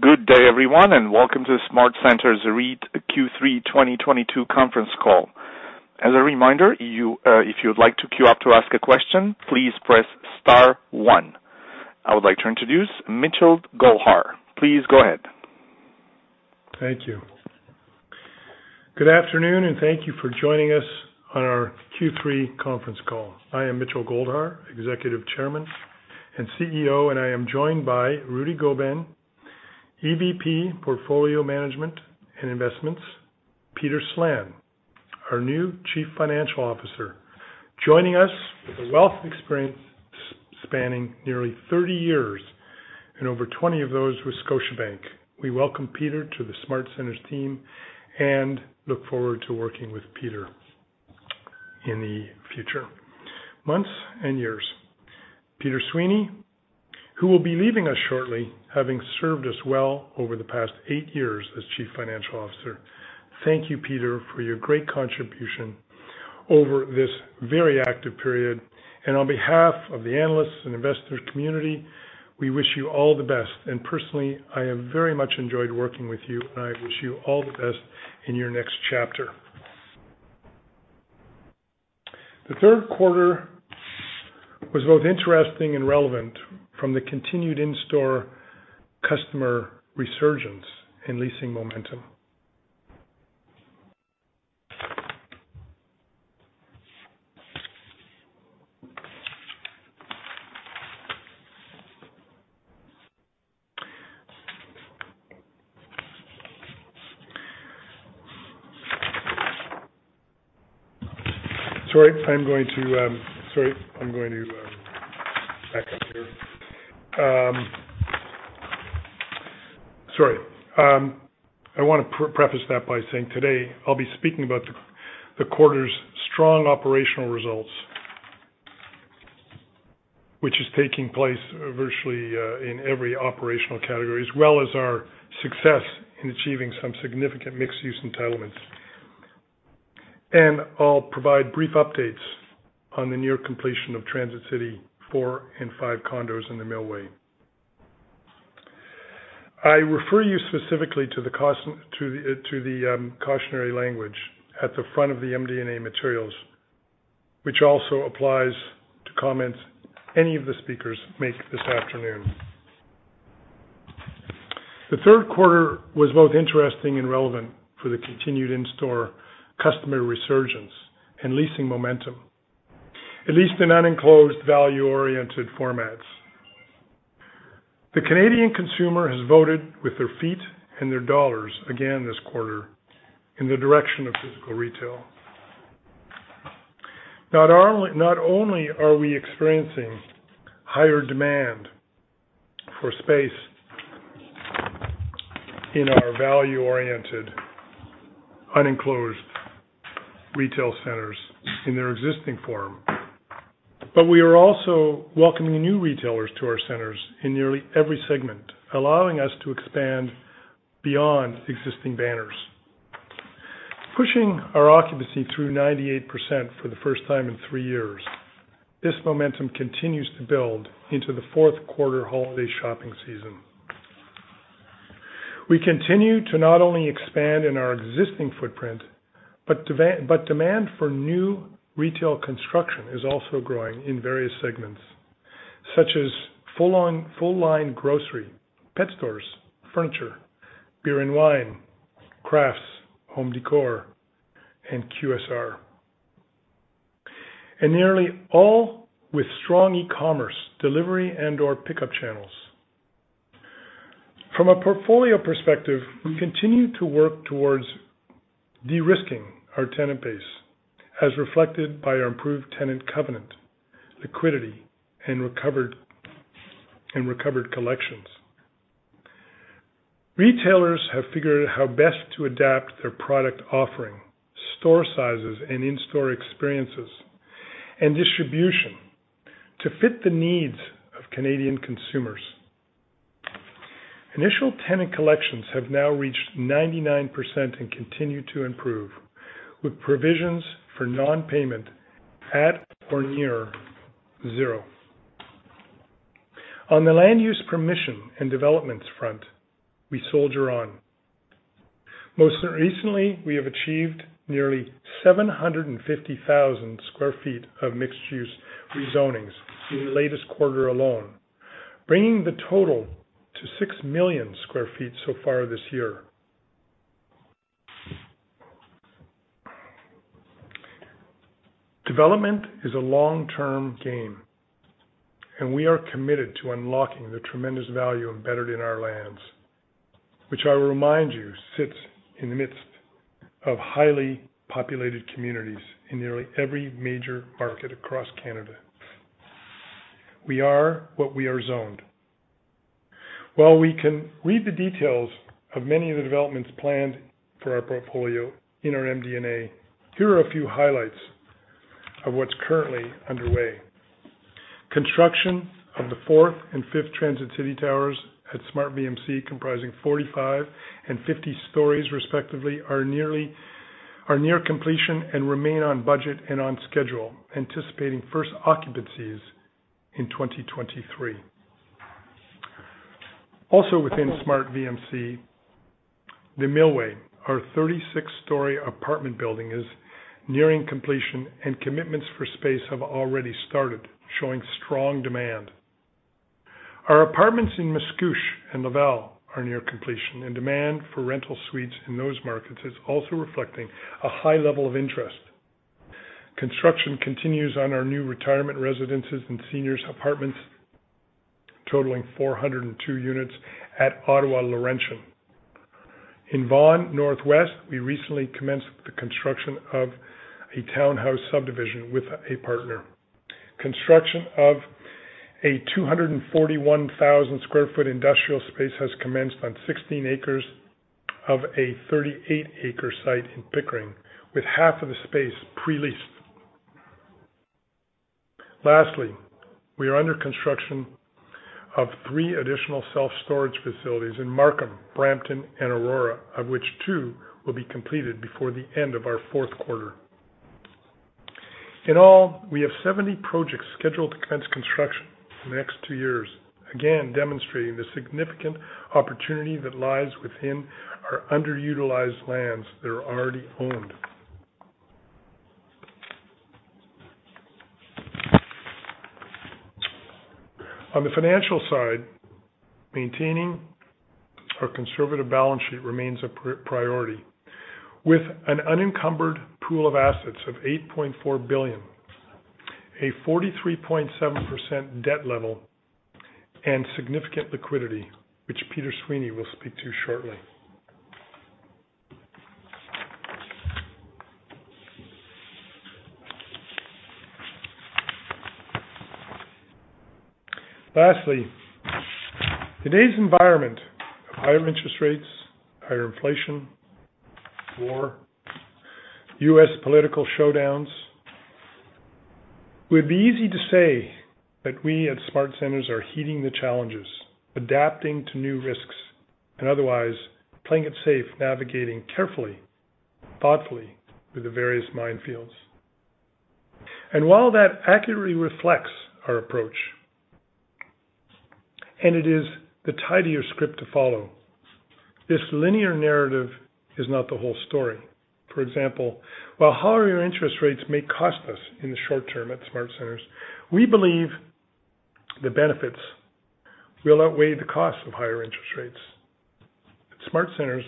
Good day, everyone, and welcome to SmartCentres REIT Q3 2022 conference call. As a reminder, you, if you'd like to queue up to ask a question, please press star one. I would like to introduce Mitchell Goldhar. Please go ahead. Thank you. Good afternoon, and thank you for joining us on our Q3 conference call. I am Mitchell Goldhar, Executive Chairman and CEO, and I am joined by Rudy Gobin, EVP, Portfolio Management and Investments. Peter Slan, our new Chief Financial Officer, joining us with a wealth of experience spanning nearly 30 years and over 20 of those with Scotiabank. We welcome Peter to the SmartCentres team and look forward to working with Peter in the future months and years. Peter Sweeney, who will be leaving us shortly, having served us well over the past 8 years as Chief Financial Officer. Thank you, Peter, for your great contribution over this very active period. On behalf of the analysts and investors community, we wish you all the best. Personally, I have very much enjoyed working with you, and I wish you all the best in your next chapter. I want to preface that by saying today I'll be speaking about the quarter's strong operational results, which is taking place virtually in every operational category, as well as our success in achieving some significant mixed use entitlements. I'll provide brief updates on the near completion of Transit City 4 and 5 condos in the Millway. I refer you specifically to the cautionary language at the front of the MD&A materials, which also applies to comments any of the speakers make this afternoon. TheQ3 was both interesting and relevant for the continued in-store customer resurgence and leasing momentum, at least in unenclosed value-oriented formats. The Canadian consumer has voted with their feet and their dollars again this quarter in the direction of physical retail. Not only are we experiencing higher demand for space in our value-oriented, unenclosed retail centers in their existing form, but we are also welcoming new retailers to our centers in nearly every segment, allowing us to expand beyond existing banners. Pushing our occupancy through 98% for the first time in three years, this momentum continues to build into the fourth quarter holiday shopping season. We continue to not only expand in our existing footprint, but demand for new retail construction is also growing in various segments, such as full line grocery, pet stores, furniture, beer and wine, crafts, home decor, and QSR. Nearly all with strong e-commerce delivery and/or pickup channels. From a portfolio perspective, we continue to work towards de-risking our tenant base, as reflected by our improved tenant covenant, liquidity, and recovered collections. Retailers have figured how best to adapt their product offering, store sizes, and in-store experiences, and distribution to fit the needs of Canadian consumers. Initial tenant collections have now reached 99% and continue to improve, with provisions for non-payment at or near zero. On the land use permission and developments front, we soldier on. Most recently, we have achieved nearly 750,000 sq ft of mixed-use rezonings in the latest quarter alone, bringing the total to 6 million sq ft so far this year. Development is a long-term game, and we are committed to unlocking the tremendous value embedded in our lands, which I remind you, sits in the midst of highly populated communities in nearly every major market across Canada. We are where we are zoned. Well, we can read the details of many of the developments planned for our portfolio in our MD&A. Here are a few highlights of what's currently underway. Construction of the fourth and fifth Transit City Towers at SmartVMC, comprising 45 and 50 stories respectively, are near completion and remain on budget and on schedule, anticipating first occupancies in 2023. Also within SmartVMC, The Millway, our 36-story apartment building, is nearing completion and commitments for space have already started, showing strong demand. Our apartments in Mascouche and Laval are near completion, and demand for rental suites in those markets is also reflecting a high level of interest. Construction continues on our new retirement residences and seniors apartments, totaling 402 units at Ottawa Laurentian. In Vaughan Northwest, we recently commenced the construction of a townhouse subdivision with a partner. Construction of a 241,000 sq ft industrial space has commenced on 16 acres of a 38-acre site in Pickering, with half of the space pre-leased. Lastly, we have three additional self-storage facilities under construction in Markham, Brampton and Aurora, of which two will be completed before the end of our fourth quarter. In all, we have 70 projects scheduled to commence construction in the next 2 years, again demonstrating the significant opportunity that lies within our underutilized lands that are already owned. On the financial side, maintaining our conservative balance sheet remains a priority with an unencumbered pool of assets of 8.4 billion, a 43.7% debt level, and significant liquidity, which Peter Sweeney will speak to shortly. Lastly, today's environment of higher interest rates, higher inflation, war, U.S. political showdowns. It would be easy to say that we at SmartCentres are heeding the challenges, adapting to new risks, and otherwise playing it safe, navigating carefully, thoughtfully through the various minefields. While that accurately reflects our approach, and it is the tidier script to follow, this linear narrative is not the whole story. For example, while higher interest rates may cost us in the short term at SmartCentres, we believe the benefits will outweigh the costs of higher interest rates. At SmartCentres,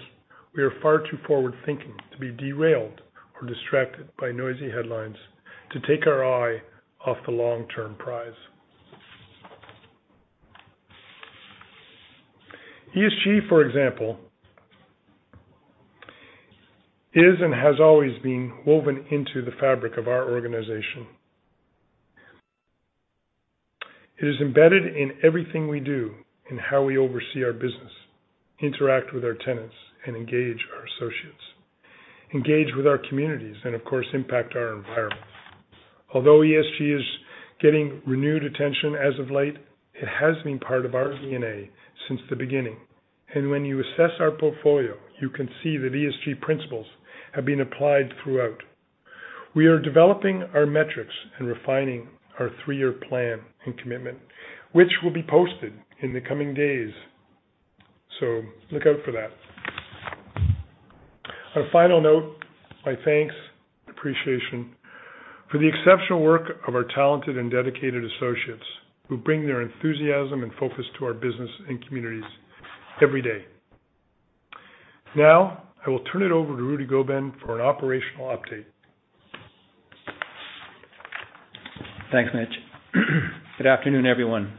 we are far too forward-thinking to be derailed or distracted by noisy headlines to take our eye off the long-term prize. ESG, for example, is and has always been woven into the fabric of our organization. It is embedded in everything we do and how we oversee our business, interact with our tenants, and engage our associates, engage with our communities, and of course, impact our environment. Although ESG is getting renewed attention as of late, it has been part of our DNA since the beginning. When you assess our portfolio, you can see that ESG principles have been applied throughout. We are developing our metrics and refining our three-year plan and commitment, which will be posted in the coming days. Look out for that. On a final note, my thanks, appreciation for the exceptional work of our talented and dedicated associates who bring their enthusiasm and focus to our business and communities every day. Now, I will turn it over to Rudy Gobin for an operational update. Thanks, Mitch. Good afternoon, everyone.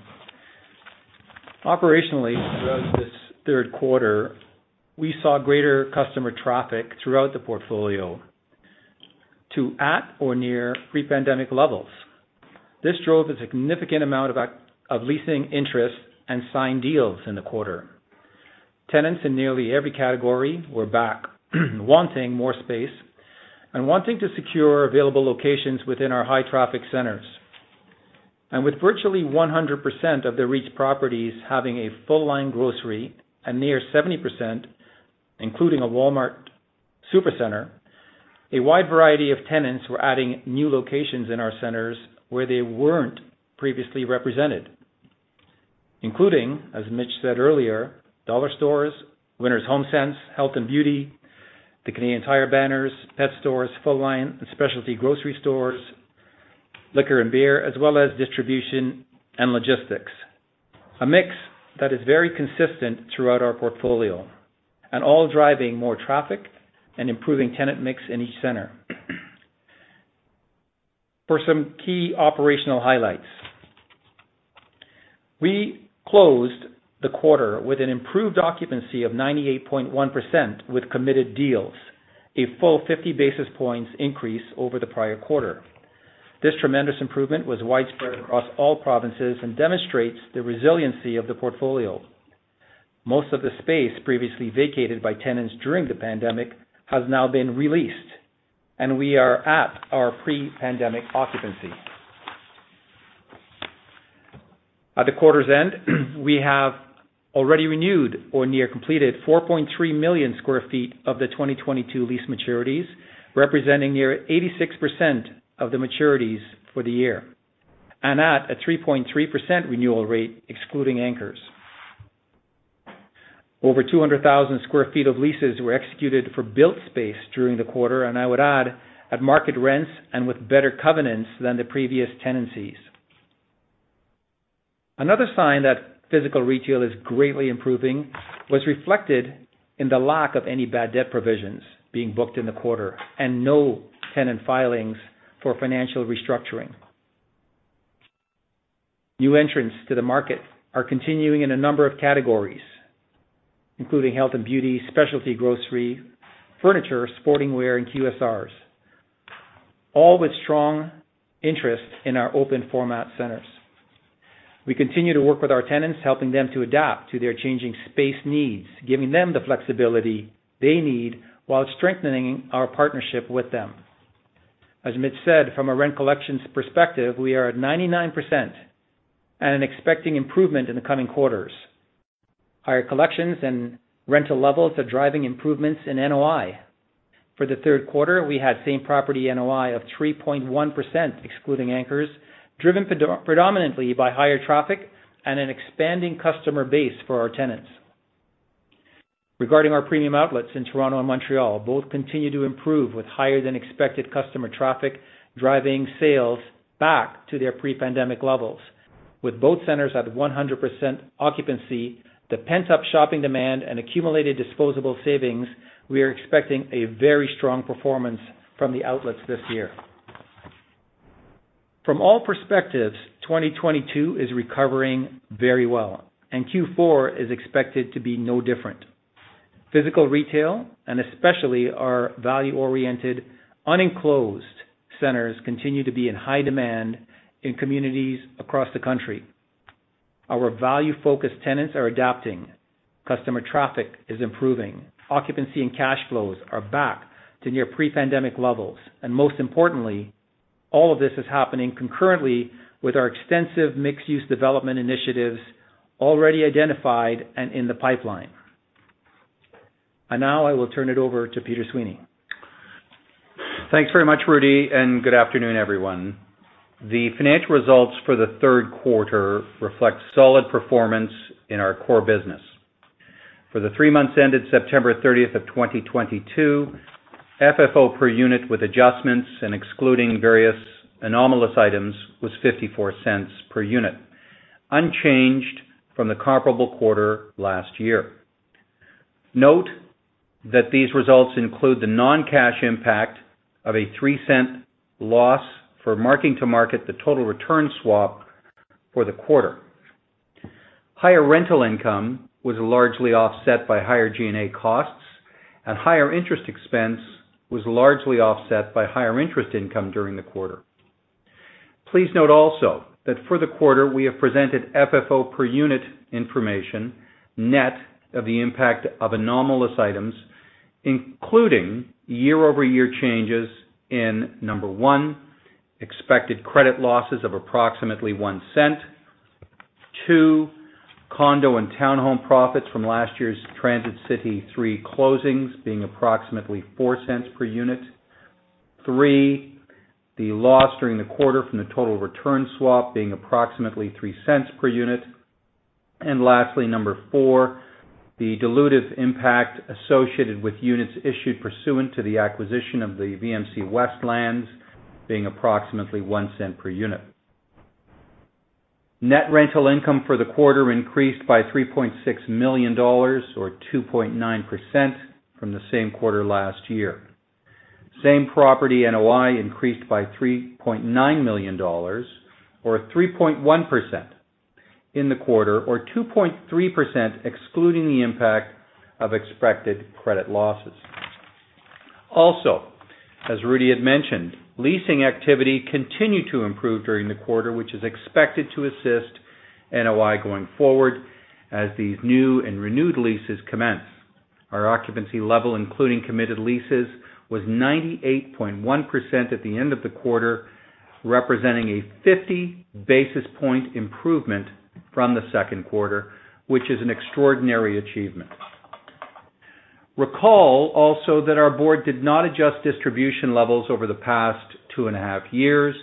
Operationally, throughout thisQ3, we saw greater customer traffic throughout the portfolio to at or near pre-pandemic levels. This drove a significant amount of leasing interest and signed deals in the quarter. Tenants in nearly every category were back, wanting more space and wanting to secure available locations within our high-traffic centers. With virtually 100% of the REIT properties having a full-line grocery and near 70%, including a Walmart Supercenter, a wide variety of tenants were adding new locations in our centers where they weren't previously represented, including, as Mitch said earlier, dollar stores, Winners, HomeSense, health and beauty, the Canadian Tire banners, pet stores, full-line and specialty grocery stores, liquor and beer, as well as distribution and logistics. A mix that is very consistent throughout our portfolio and all driving more traffic and improving tenant mix in each center. For some key operational highlights. We closed the quarter with an improved occupancy of 98.1% with committed deals, a full 50 basis points increase over the prior quarter. This tremendous improvement was widespread across all provinces and demonstrates the resiliency of the portfolio. Most of the space previously vacated by tenants during the pandemic has now been re-leased, and we are at our pre-pandemic occupancy. At the quarter's end, we have already renewed or near completed 4.3 million sq ft of the 2022 lease maturities, representing near 86% of the maturities for the year, and at a 3.3% renewal rate excluding anchors. Over 200,000 sq ft of leases were executed for built space during the quarter, and I would add, at market rents and with better covenants than the previous tenancies. Another sign that physical retail is greatly improving was reflected in the lack of any bad debt provisions being booked in the quarter, and no tenant filings for financial restructuring. New entrants to the market are continuing in a number of categories, including health and beauty, specialty grocery, furniture, sporting wear, and QSRs, all with strong interest in our open format centers. We continue to work with our tenants, helping them to adapt to their changing space needs, giving them the flexibility they need while strengthening our partnership with them. As Mitch said, from a rent collections perspective, we are at 99% and expecting improvement in the coming quarters. Higher collections and rental levels are driving improvements in NOI. For theQ3, we had same property NOI of 3.1% excluding anchors, driven predominantly by higher traffic and an expanding customer base for our tenants. Regarding our premium outlets in Toronto and Montreal, both continue to improve with higher than expected customer traffic, driving sales back to their pre-pandemic levels. With both centers at 100% occupancy, the pent-up shopping demand, and accumulated disposable savings, we are expecting a very strong performance from the outlets this year. From all perspectives, 2022 is recovering very well, and Q4 is expected to be no different. Physical retail, and especially our value-oriented, unenclosed centers, continue to be in high demand in communities across the country. Our value-focused tenants are adapting. Customer traffic is improving. Occupancy and cash flows are back to near pre-pandemic levels. Most importantly, all of this is happening concurrently with our extensive mixed-use development initiatives already identified and in the pipeline. Now I will turn it over to Peter Sweeney. Thanks very much, Rudy, and good afternoon, everyone. The financial results for theQ3 reflect solid performance in our core business. For the three months ended September 30, 2022, FFO per unit with adjustments and excluding various anomalous items was 0.54 per unit, unchanged from the comparable quarter last year. Note that these results include the non-cash impact of a 0.03 loss for marking to market the total return swap for the quarter. Higher rental income was largely offset by higher G&A costs, and higher interest expense was largely offset by higher interest income during the quarter. Please note also that for the quarter, we have presented FFO per unit information net of the impact of anomalous items, including year-over-year changes in, number one, expected credit losses of approximately 0.01. Two, condo and townhome profits from last year's Transit City 3 closings being approximately 0.04 per unit. Three, the loss during the quarter from the total return swap being approximately 0.03 per unit. Lastly, number four, the dilutive impact associated with units issued pursuant to the acquisition of the VMC West Lands being approximately 0.01 per unit. Net rental income for the quarter increased by 3.6 million dollars or 2.9% from the same quarter last year. Same property NOI increased by 3.9 million dollars or 3.1% in the quarter or 2.3% excluding the impact of expected credit losses. Also, as Rudy had mentioned, leasing activity continued to improve during the quarter, which is expected to assist NOI going forward as these new and renewed leases commence. Our occupancy level, including committed leases, was 98.1% at the end of the quarter, representing a 50 basis point improvement from the Q2, which is an extraordinary achievement. Recall also that our board did not adjust distribution levels over the past two and a half years.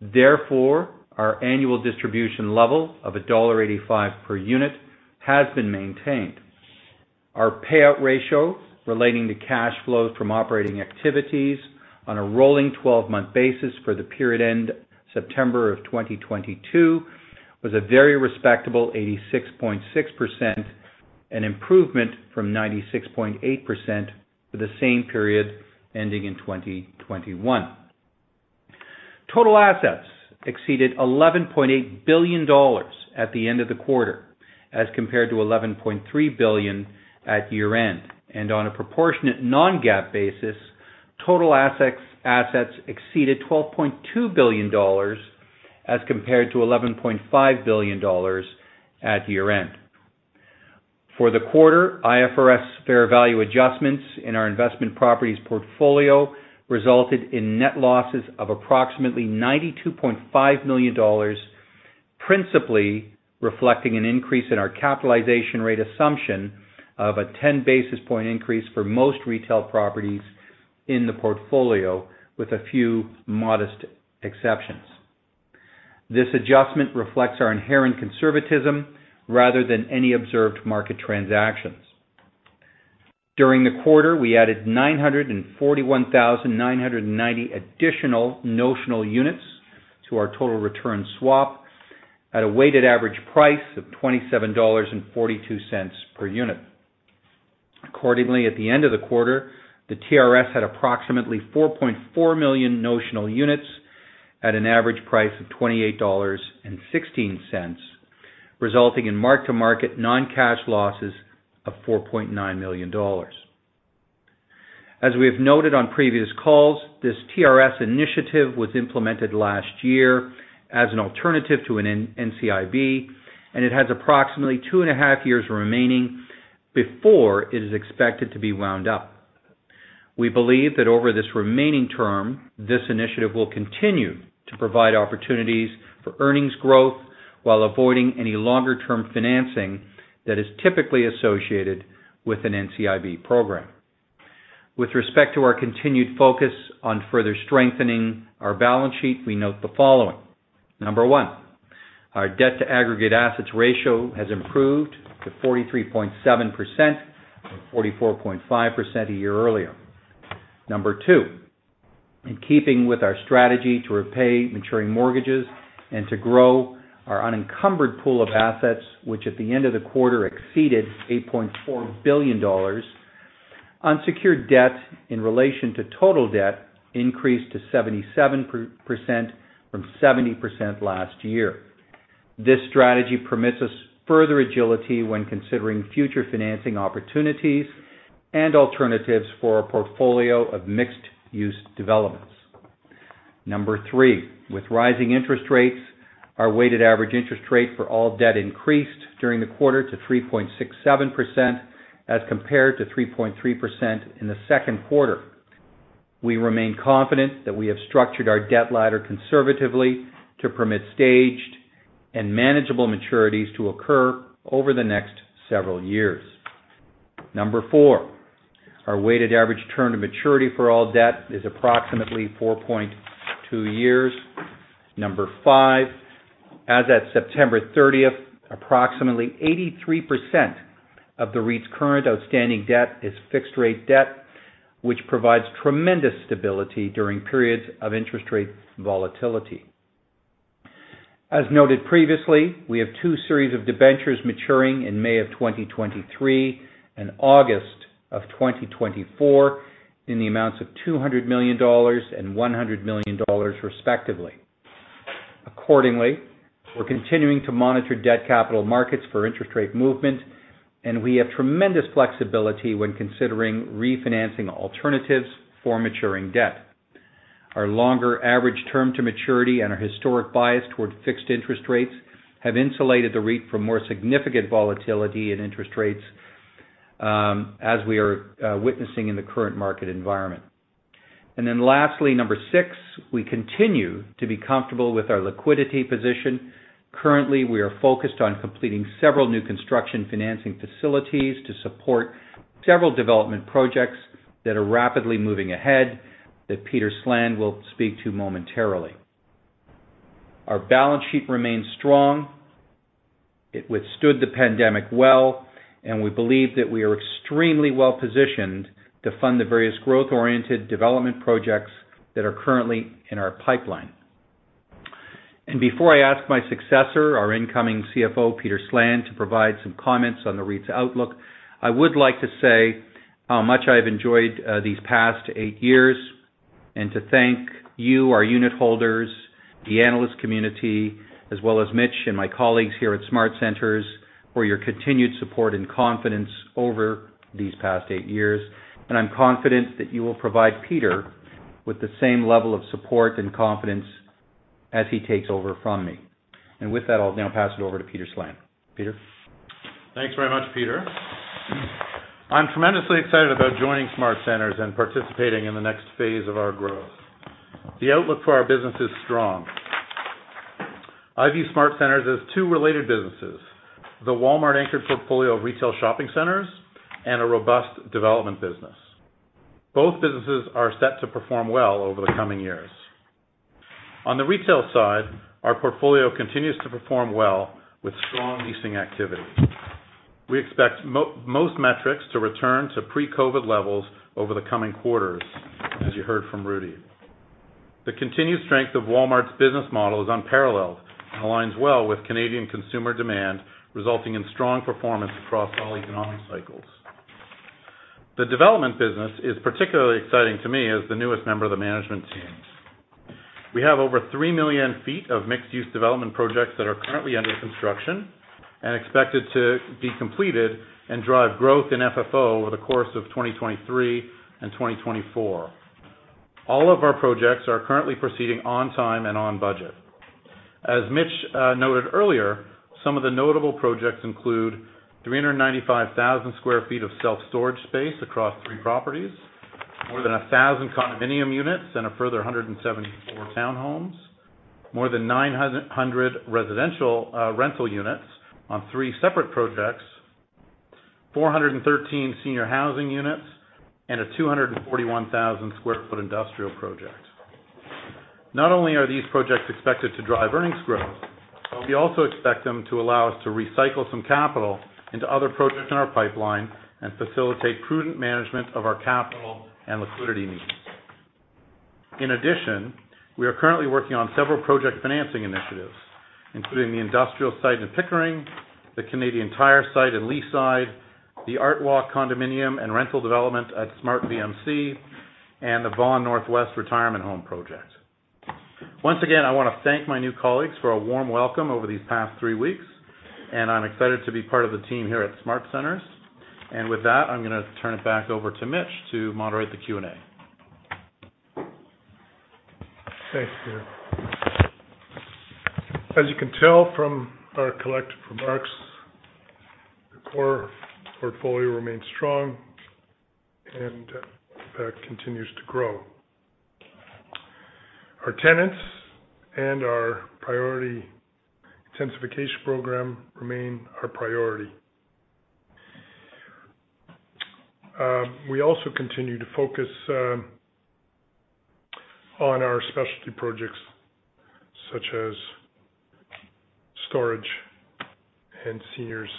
Therefore, our annual distribution level of dollar 1.85 per unit has been maintained. Our payout ratio relating to cash flows from operating activities on a rolling twelve-month basis for the period end September of 2022 was a very respectable 86.6%, an improvement from 96.8% for the same period ending in 2021. Total assets exceeded 11.8 billion dollars at the end of the quarter. As compared to 11.3 billion at year-end. On a proportionate non-GAAP basis, total assets exceeded 12.2 billion dollars as compared to 11.5 billion dollars at year-end. For the quarter, IFRS fair value adjustments in our investment properties portfolio resulted in net losses of approximately 92.5 million dollars, principally reflecting an increase in our capitalization rate assumption of a 10 basis point increase for most retail properties in the portfolio, with a few modest exceptions. This adjustment reflects our inherent conservatism rather than any observed market transactions. During the quarter, we added 941,990 additional notional units to our total return swap at a weighted average price of 27.42 dollars per unit. Accordingly, at the end of the quarter, the TRS had approximately 4.4 million notional units at an average price of 28.16 dollars, resulting in mark-to-market non-cash losses of 4.9 million dollars. As we have noted on previous calls, this TRS initiative was implemented last year as an alternative to an NCIB, and it has approximately 2.5 years remaining before it is expected to be wound up. We believe that over this remaining term, this initiative will continue to provide opportunities for earnings growth while avoiding any longer-term financing that is typically associated with an NCIB program. With respect to our continued focus on further strengthening our balance sheet, we note the following. Number one, our debt to aggregate assets ratio has improved to 43.7% from 44.5% a year earlier. Number two, in keeping with our strategy to repay maturing mortgages and to grow our unencumbered pool of assets, which at the end of the quarter exceeded 8.4 billion dollars, unsecured debt in relation to total debt increased to 77% from 70% last year. This strategy permits us further agility when considering future financing opportunities and alternatives for our portfolio of mixed-use developments. Number three, with rising interest rates, our weighted average interest rate for all debt increased during the quarter to 3.67% as compared to 3.3% in the Q2. We remain confident that we have structured our debt ladder conservatively to permit staged and manageable maturities to occur over the next several years. Number four, our weighted average term to maturity for all debt is approximately 4.2 years. Number five, as at September 30, approximately 83% of the REIT's current outstanding debt is fixed-rate debt, which provides tremendous stability during periods of interest rate volatility. As noted previously, we have two series of debentures maturing in May 2023 and August 2024 in the amounts of 200 million dollars and 100 million dollars, respectively. Accordingly, we're continuing to monitor debt capital markets for interest rate movement, and we have tremendous flexibility when considering refinancing alternatives for maturing debt. Our longer average term to maturity and our historic bias toward fixed interest rates have insulated the REIT from more significant volatility in interest rates as we are witnessing in the current market environment. Lastly, number six, we continue to be comfortable with our liquidity position. Currently, we are focused on completing several new construction financing facilities to support several development projects that are rapidly moving ahead that Peter Slan will speak to momentarily. Our balance sheet remains strong. It withstood the pandemic well, and we believe that we are extremely well-positioned to fund the various growth-oriented development projects that are currently in our pipeline. Before I ask my successor, our incoming CFO, Peter Slan, to provide some comments on the REIT's outlook, I would like to say how much I've enjoyed these past eight years, and to thank you, our unit holders, the analyst community, as well as Mitch and my colleagues here at SmartCentres for your continued support and confidence over these past eight years. I'm confident that you will provide Peter with the same level of support and confidence as he takes over from me. With that, I'll now pass it over to Peter Slan. Peter? Thanks very much, Peter. I'm tremendously excited about joining SmartCentres and participating in the next phase of our growth. The outlook for our business is strong. I view SmartCentres as two related businesses, the Walmart-anchored portfolio of retail shopping centers and a robust development business. Both businesses are set to perform well over the coming years. On the retail side, our portfolio continues to perform well with strong leasing activity. We expect most metrics to return to pre-COVID levels over the coming quarters, as you heard from Rudy. The continued strength of Walmart's business model is unparalleled and aligns well with Canadian consumer demand, resulting in strong performance across all economic cycles. The development business is particularly exciting to me as the newest member of the management team. We have over 3 million sq ft of mixed-use development projects that are currently under construction and expected to be completed and drive growth in FFO over the course of 2023 and 2024. All of our projects are currently proceeding on time and on budget. As Mitch noted earlier, some of the notable projects include 395,000 sq ft of self-storage space across three properties, more than 1,000 condominium units and a further 174 townhomes, more than 900 residential rental units on three separate projects, 413 senior housing units, and a 241,000 sq ft industrial project. Not only are these projects expected to drive earnings growth, but we also expect them to allow us to recycle some capital into other projects in our pipeline and facilitate prudent management of our capital and liquidity needs. In addition, we are currently working on several project financing initiatives, including the industrial site in Pickering, the Canadian Tire site in Leaside, the ArtWalk condominium and rental development at SmartVMC, and the Vaughan Northwest Retirement Home project. Once again, I want to thank my new colleagues for a warm welcome over these past three weeks, and I'm excited to be part of the team here at SmartCentres. With that, I'm gonna turn it back over to Mitch to moderate the Q&A. Thanks, Peter. As you can tell from our collective remarks, the core portfolio remains strong and continues to grow. Our tenants and our priority intensification program remain our priority. We also continue to focus on our specialty projects such as storage and seniors,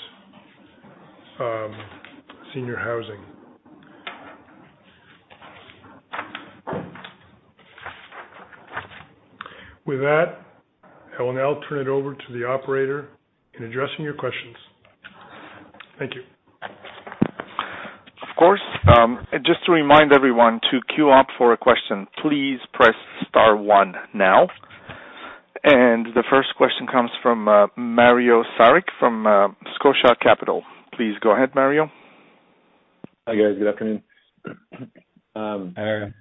senior housing. With that, I will now turn it over to the operator in addressing your questions. Thank you. Of course. Just to remind everyone, to queue up for a question, please press star one now. The first question comes from Mario Saric from Scotia Capital. Please go ahead, Mario. Hi, guys. Good afternoon. Hi.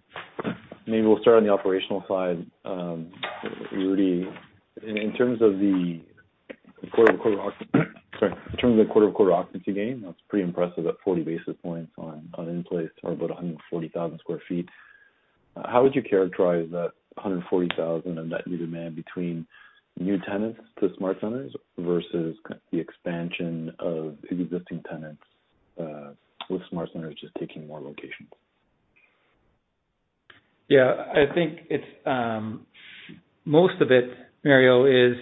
Maybe we'll start on the operational side. Rudy, in terms of the quarter-over-quarter occupancy gain, that's pretty impressive, at 40 basis points on in-place or about 140,000 sq ft. How would you characterize that 140,000 of net new demand between new tenants to SmartCentres versus the expansion of the existing tenants with SmartCentres just taking more locations? Yeah. I think it's most of it, Mario, is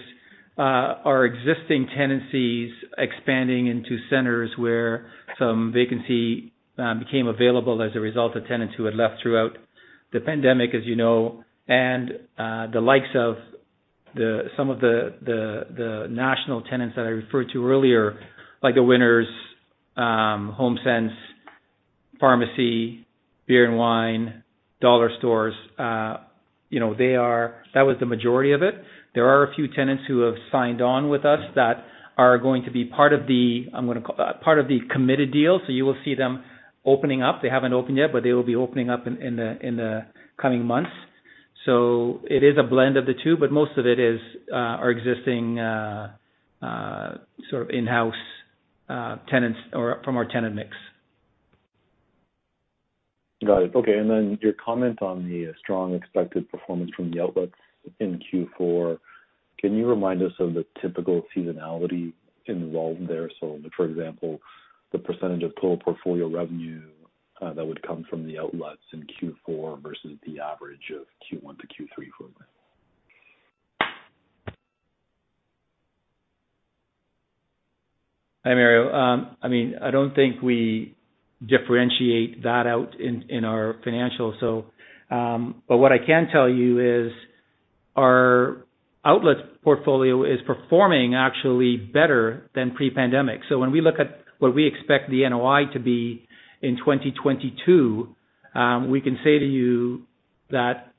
our existing tenancies expanding into centers where some vacancy became available as a result of tenants who had left throughout the pandemic, as you know. The likes of some of the national tenants that I referred to earlier, like a Winners, HomeSense, Pharmacy, Beer and Wine, Dollar Stores, you know, they are. That was the majority of it. There are a few tenants who have signed on with us that are going to be part of the committed deal, so you will see them opening up. They haven't opened yet, but they will be opening up in the coming months. It is a blend of the two, but most of it is our existing sort of in-house tenants or from our tenant mix. Got it. Okay. Your comment on the strong expected performance from the outlets in Q4, can you remind us of the typical seasonality involved there? For example, the percentage of total portfolio revenue that would come from the outlets in Q4 versus the average of Q1 to Q3 for that. Hi, Mario. I mean, I don't think we differentiate that out in our financials, so, but what I can tell you is our outlet portfolio is performing actually better than pre-pandemic. When we look at what we expect the NOI to be in 2022, we can say to you that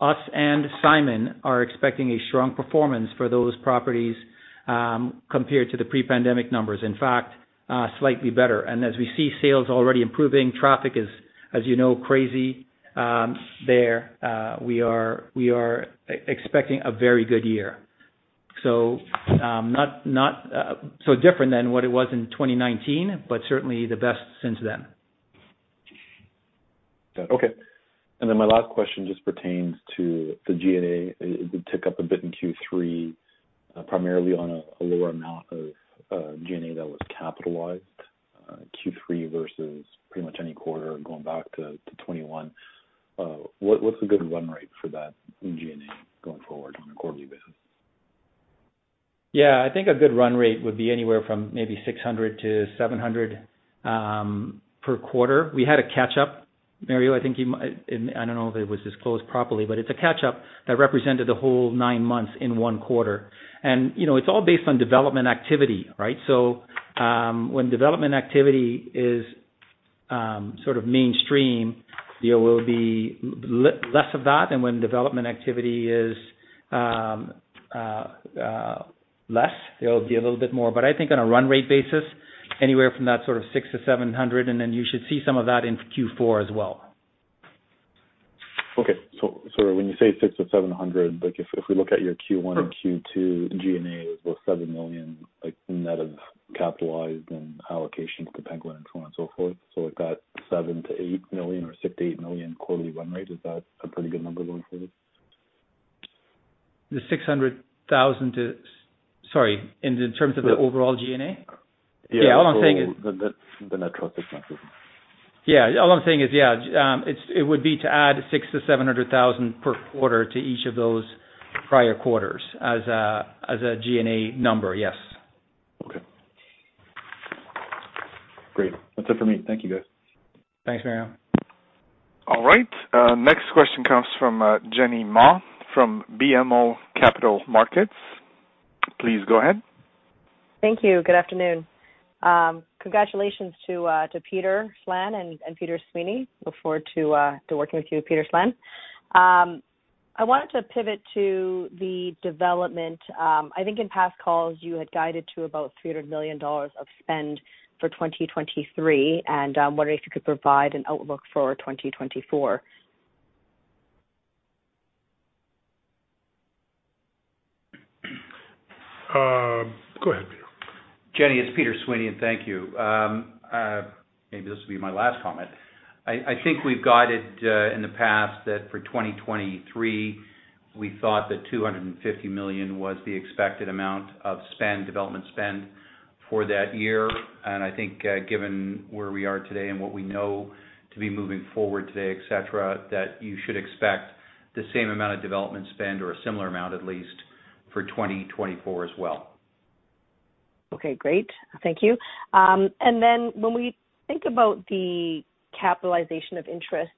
us and Simon are expecting a strong performance for those properties, compared to the pre-pandemic numbers. In fact, slightly better. As we see sales already improving, traffic is, as you know, crazy there. We are expecting a very good year. Not so different than what it was in 2019, but certainly the best since then. Got it. Okay. My last question just pertains to the G&A. It took up a bit in Q3, primarily on a lower amount of G&A that was capitalized, Q3 versus pretty much any quarter going back to 2021. What's a good run rate for that in G&A going forward on a quarterly basis? Yeah. I think a good run rate would be anywhere from maybe 600-700 per quarter. We had to catch up, Mario. I think and I don't know if it was disclosed properly, but it's a catch-up that represented the whole nine months in one quarter. You know, it's all based on development activity, right? When development activity is sort of mainstream, there will be less of that than when development activity is less. There'll be a little bit more. I think on a run rate basis, anywhere from that sort of 600-700, and then you should see some of that in Q4 as well. When you say 600-700, like if we look at your Q1 and Q2 G&As were 7 million, like net of capitalized and allocations to Penguin and so on and so forth. Like that 7 million-8 million or 6 million-8 million quarterly run rate, is that a pretty good number going forward? Sorry, in terms of the overall G&A? Yeah. Yeah, all I'm saying is. The net profit. All I'm saying is, it would be to add 600 thousand-700 thousand per quarter to each of those prior quarters as a G&A number. Yes. Okay. Great. That's it for me. Thank you, guys. Thanks, Mario. All right. Next question comes from Jenny Ma from BMO Capital Markets. Please go ahead. Thank you. Good afternoon. Congratulations to Peter Slan and Peter Sweeney. Look forward to working with you, Peter Slan. I wanted to pivot to the development. I think in past calls you had guided to about 300 million dollars of spend for 2023, and wondering if you could provide an outlook for 2024. Go ahead, Peter. Jenny, it's Peter Sweeney, and thank you. Maybe this will be my last comment. I think we've guided in the past that for 2023 we thought that 250 million was the expected amount of spend, development spend for that year. I think, given where we are today and what we know to be moving forward today, et cetera, that you should expect the same amount of development spend or a similar amount at least for 2024 as well. Okay, great. Thank you. When we think about the capitalization of interest,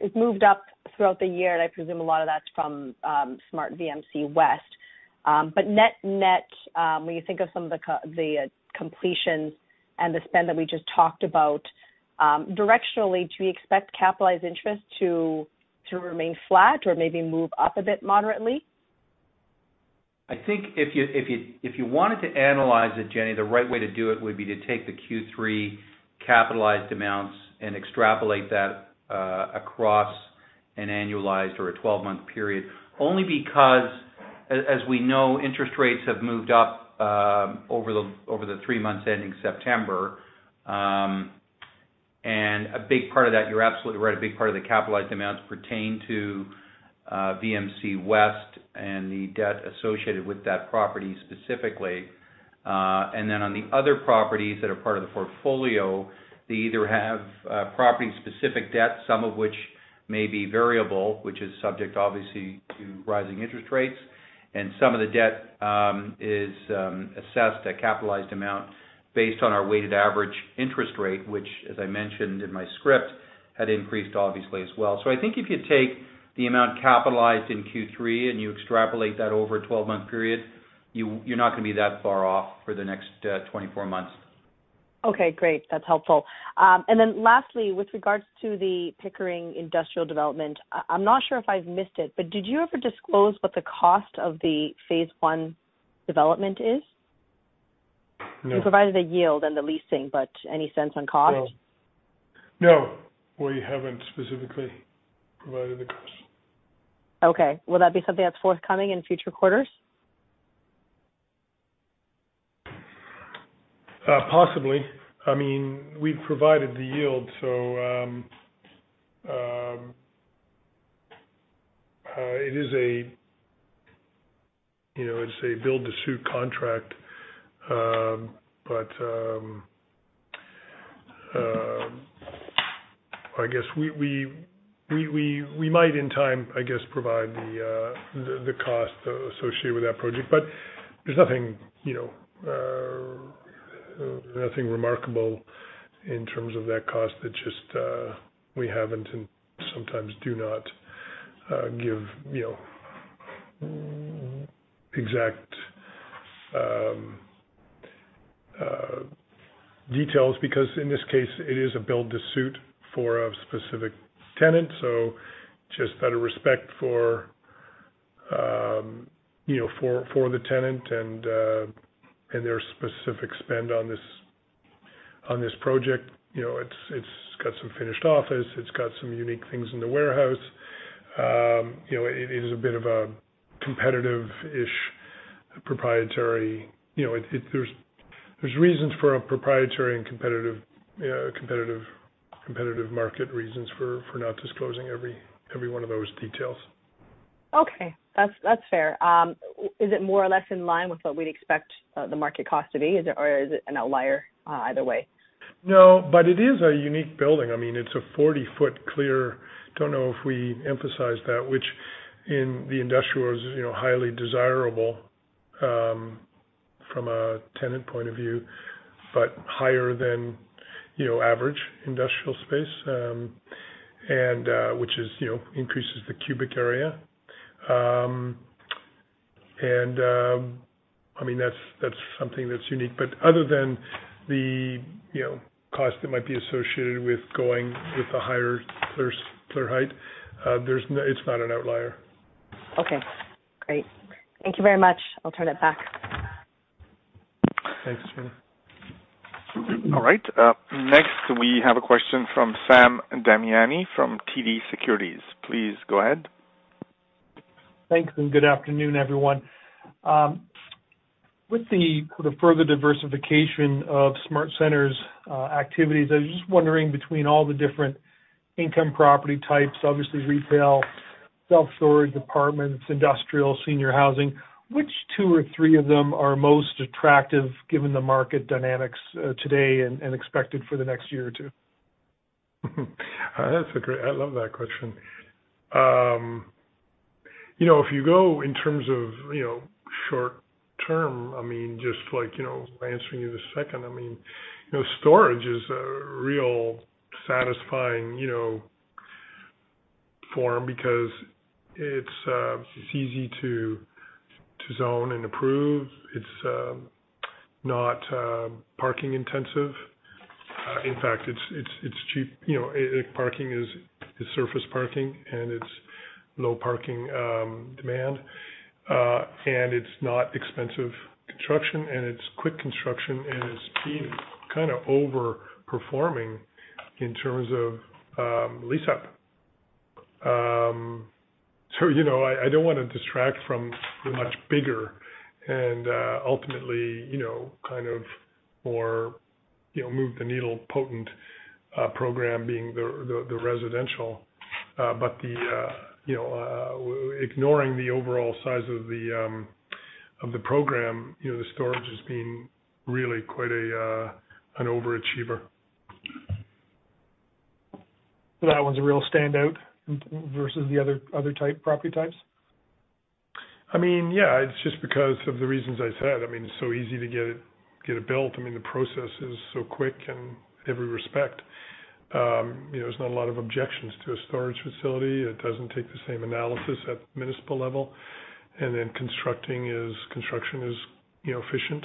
it's moved up throughout the year, and I presume a lot of that's from SmartVMC West. Net-net, when you think of some of the completions and the spend that we just talked about, directionally, do we expect capitalized interest to remain flat or maybe move up a bit moderately? I think if you wanted to analyze it, Jenny, the right way to do it would be to take the Q3 capitalized amounts and extrapolate that across an annualized or a 12-month period. Only because as we know, interest rates have moved up over the three months ending September. A big part of that, you're absolutely right, a big part of the capitalized amounts pertain to VMC West and the debt associated with that property specifically. Then on the other properties that are part of the portfolio, they either have property-specific debt, some of which may be variable, which is subject obviously to rising interest rates. Some of the debt is assessed at capitalized amount based on our weighted average interest rate, which as I mentioned in my script, had increased obviously as well. I think if you take the amount capitalized in Q3 and you extrapolate that over a 12-month period, you're not gonna be that far off for the next 24 months. Okay, great. That's helpful. Then lastly, with regards to the Pickering industrial development, I'm not sure if I've missed it, but did you ever disclose what the cost of the phase one development is? No. You provided a yield and the leasing, but any sense on cost? No, we haven't specifically provided the cost. Okay. Will that be something that's forthcoming in future quarters? Possibly. I mean, we've provided the yield, so it is a, you know, it's a build to suit contract. I guess we might in time, I guess, provide the cost associated with that project. There's nothing, you know, nothing remarkable in terms of that cost. It just, we haven't and sometimes do not give, you know, exact details because in this case it is a build to suit for a specific tenant. Just out of respect for, you know, for the tenant and their specific spend on this project. You know, it's got some finished office, it's got some unique things in the warehouse. You know, it is a bit of a competitive-ish proprietary. You know, it. There's reasons for a proprietary and competitive market reasons for not disclosing every one of those details. Okay. That's fair. Is it more or less in line with what we'd expect, the market cost to be, is it, or is it an outlier, either way? No, but it is a unique building. I mean, it's a 40-foot clear. Don't know if we emphasized that, which in the industrial is, you know, highly desirable. From a tenant point of view, but higher than, you know, average industrial space, and which is, you know, increases the cubic area. I mean, that's something that's unique. Other than the, you know, cost that might be associated with going with the higher clear height, there's no, it's not an outlier. Okay, great. Thank you very much. I'll turn it back. Thanks, Jenny. All right. Next, we have a question from Sam Damiani from TD Securities. Please go ahead. Thanks, and good afternoon, everyone. With the sort of further diversification of SmartCentres activities, I was just wondering between all the different income property types, obviously retail, self-storage, apartments, industrial, senior housing, which two or three of them are most attractive given the market dynamics, today and expected for the next year or two? That's a great question. I love that question. You know, if you go in terms of, you know, short-term, I mean, just like, you know, by answering you the second, I mean, you know, storage is really satisfying, you know, form because it's easy to zone and approve. It's not parking intensive. In fact, it's cheap. You know, parking is surface parking, and it's low parking demand. And it's not expensive construction, and it's quick construction, and it's been kind of over-performing in terms of lease up. You know, I don't want to distract from the much bigger and ultimately, you know, kind of more move the needle potent program being the residential. You know, ignoring the overall size of the program, you know, the storage has been really quite an overachiever. That one's a real standout versus the other property types? I mean, yeah. It's just because of the reasons I said. I mean, it's so easy to get it built. I mean, the process is so quick in every respect. You know, there's not a lot of objections to a storage facility. It doesn't take the same analysis at the municipal level. Construction is, you know, efficient.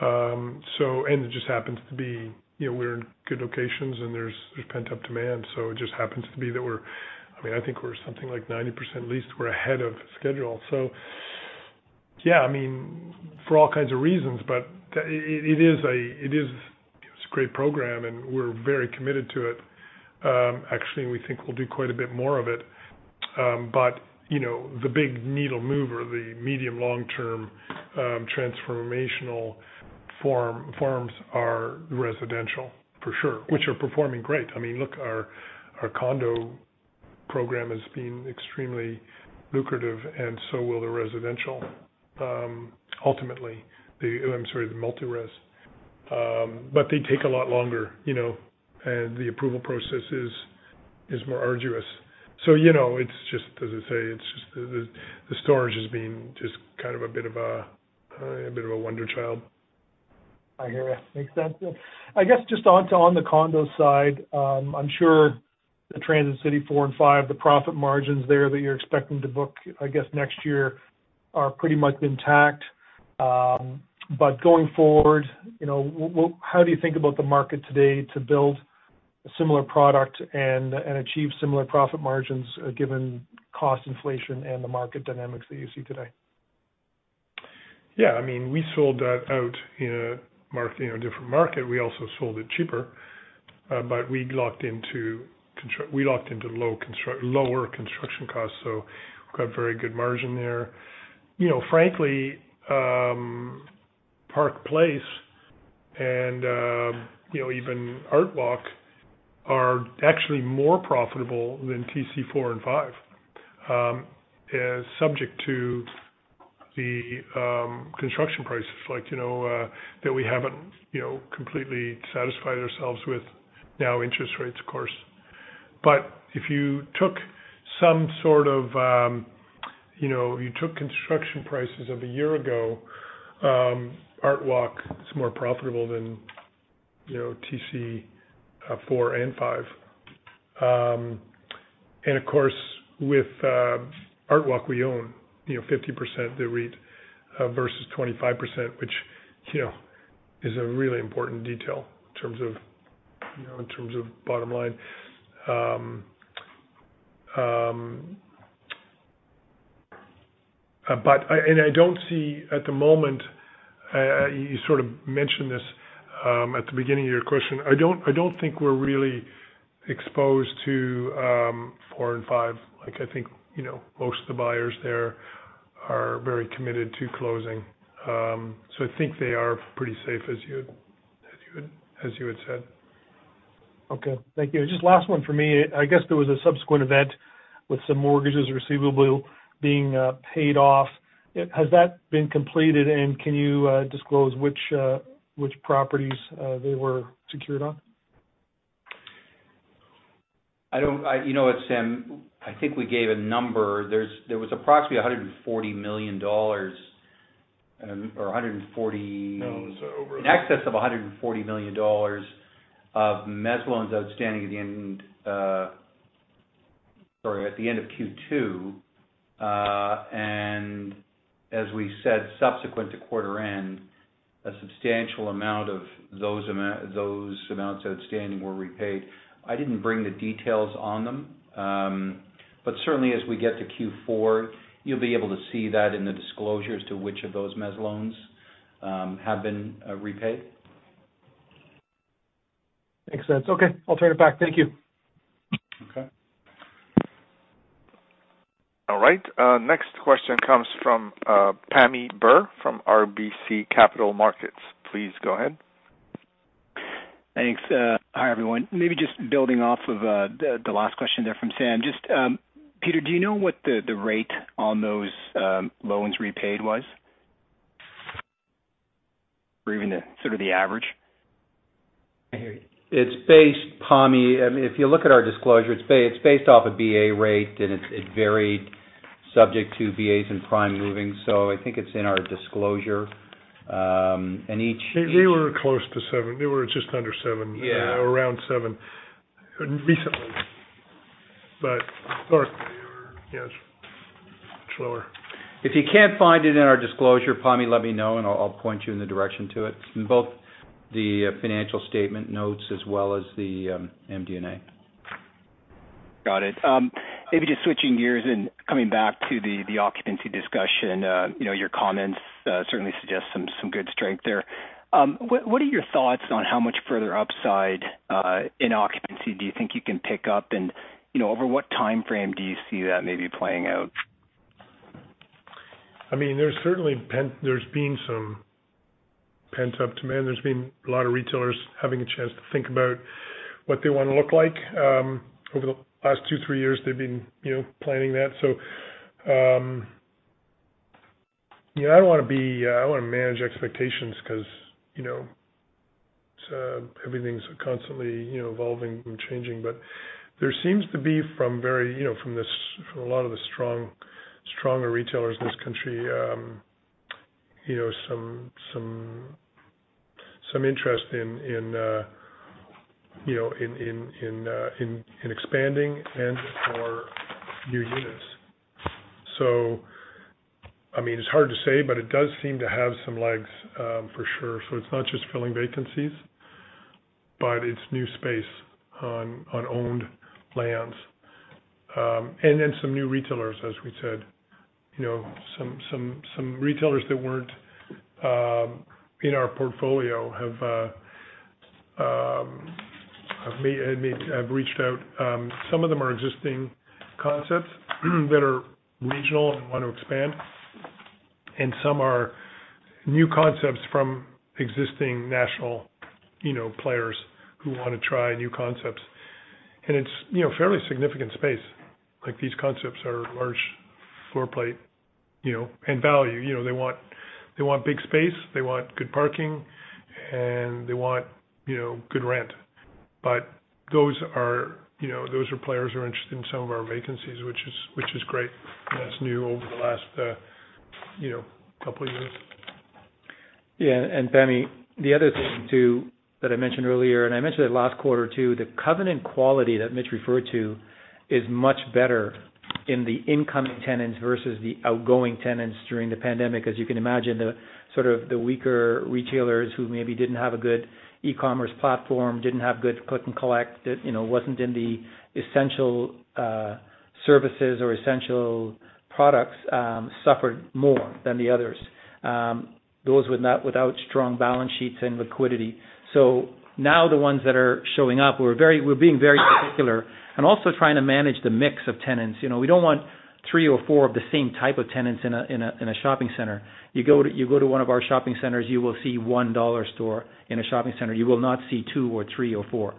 It just happens to be, you know, we're in good locations, and there's pent-up demand. It just happens to be that we're I mean, I think we're something like 90% leased. We're ahead of schedule. Yeah, I mean, for all kinds of reasons, but it is a great program, and we're very committed to it. Actually, we think we'll do quite a bit more of it. You know, the big needle mover, the medium long-term, transformational forms are residential for sure, which are performing great. I mean, look, our condo program has been extremely lucrative and so will the residential, ultimately. The multi-res. They take a lot longer, you know, and the approval process is more arduous. You know, it's just, as I say, it's just the storage has been just kind of a bit of a wonder child. I hear you. Makes sense. Yeah. I guess just onto the condo side, I'm sure the Transit City 4 and 5, the profit margins there that you're expecting to book, I guess, next year are pretty much intact. Going forward, you know, how do you think about the market today to build a similar product and achieve similar profit margins, given cost inflation and the market dynamics that you see today? I mean, we sold that out in a market, in a different market. We also sold it cheaper. But we locked into lower construction costs, so we've got very good margin there. You know, frankly, Park Place and, you know, even ArtWalk are actually more profitable than TC Four and Five, subject to the construction prices, like, you know, that we haven't completely satisfied ourselves with, now interest rates, of course. But if you took construction prices of a year ago, ArtWalk is more profitable than, you know, TC Four and Five. Of course, with ArtWalk we own, you know, 50% the REIT, versus 25% which, you know, is a really important detail in terms of, you know, in terms of bottom line. I don't see at the moment, you sort of mentioned this, at the beginning of your question. I don't think we're really exposed to 4 and 5. Like, I think, you know, most of the buyers there are very committed to closing. I think they are pretty safe as you had said. Okay. Thank you. Just last one for me. I guess there was a subsequent event with some mortgages receivable being paid off. Has that been completed, and can you disclose which properties they were secured on? You know what, Sam? I think we gave a number. There was approximately 140 million dollars, or 140 No, it was over. In excess of 140 million dollars of mezz loans outstanding at the end, sorry, at the end of Q2. As we said, subsequent to quarter end, a substantial amount of those amounts outstanding were repaid. I didn't bring the details on them. Certainly as we get to Q4, you'll be able to see that in the disclosure as to which of those mezz loans have been repaid. Makes sense. Okay, I'll turn it back. Thank you. Okay. All right, next question comes from Pammi Baull from RBC Capital Markets. Please go ahead. Thanks. Hi, everyone. Maybe just building off of the last question there from Sam. Just, Peter, do you know what the rate on those loans repaid was? Or even the sort of average? I hear you. It's based, Pammi. I mean, if you look at our disclosure, it's based off a BA rate, and it varied subject to BAs and prime moving. I think it's in our disclosure. They were close to seven. They were just under seven. Yeah. Around 7 recently. Yes, much lower. If you can't find it in our disclosure, Pammi, let me know, and I'll point you in the direction to it. In both the financial statement notes as well as the MD&A. Got it. Maybe just switching gears and coming back to the occupancy discussion. You know, your comments certainly suggest some good strength there. What are your thoughts on how much further upside in occupancy do you think you can pick up? You know, over what timeframe do you see that maybe playing out? I mean, there's certainly been some pent-up demand. There's been a lot of retailers having a chance to think about what they wanna look like. Over the last two, three years, they've been, you know, planning that. I don't wanna be, I don't wanna manage expectations 'cause, you know, everything's constantly, you know, evolving and changing. But there seems to be, from very, you know, from this, from a lot of the strong, stronger retailers in this country, you know, some interest in expanding and for new units. I mean, it's hard to say, but it does seem to have some legs, for sure. It's not just filling vacancies, but it's new space on owned lands. Some new retailers, as we said. You know, some retailers that weren't in our portfolio have reached out. Some of them are existing concepts that are regional and want to expand, and some are new concepts from existing national, you know, players who wanna try new concepts. It's, you know, fairly significant space. Like, these concepts are large floor plate, you know, and value. You know, they want big space, they want good parking, and they want, you know, good rent. Those are, you know, players who are interested in some of our vacancies, which is great. That's new over the last, you know, couple years. Yeah. Pammi, the other thing too, that I mentioned earlier, and I mentioned it last quarter, too, the covenant quality that Mitch referred to is much better in the incoming tenants versus the outgoing tenants during the pandemic. As you can imagine, the weaker retailers who maybe didn't have a good e-commerce platform, didn't have good click and collect, you know, wasn't in the essential services or essential products suffered more than the others. Those without strong balance sheets and liquidity. Now the ones that are showing up, we're being very particular and also trying to manage the mix of tenants. You know, we don't want three or four of the same type of tenants in a shopping center. You go to one of our shopping centers, you will see one dollar store in a shopping center. You will not see two or three or four.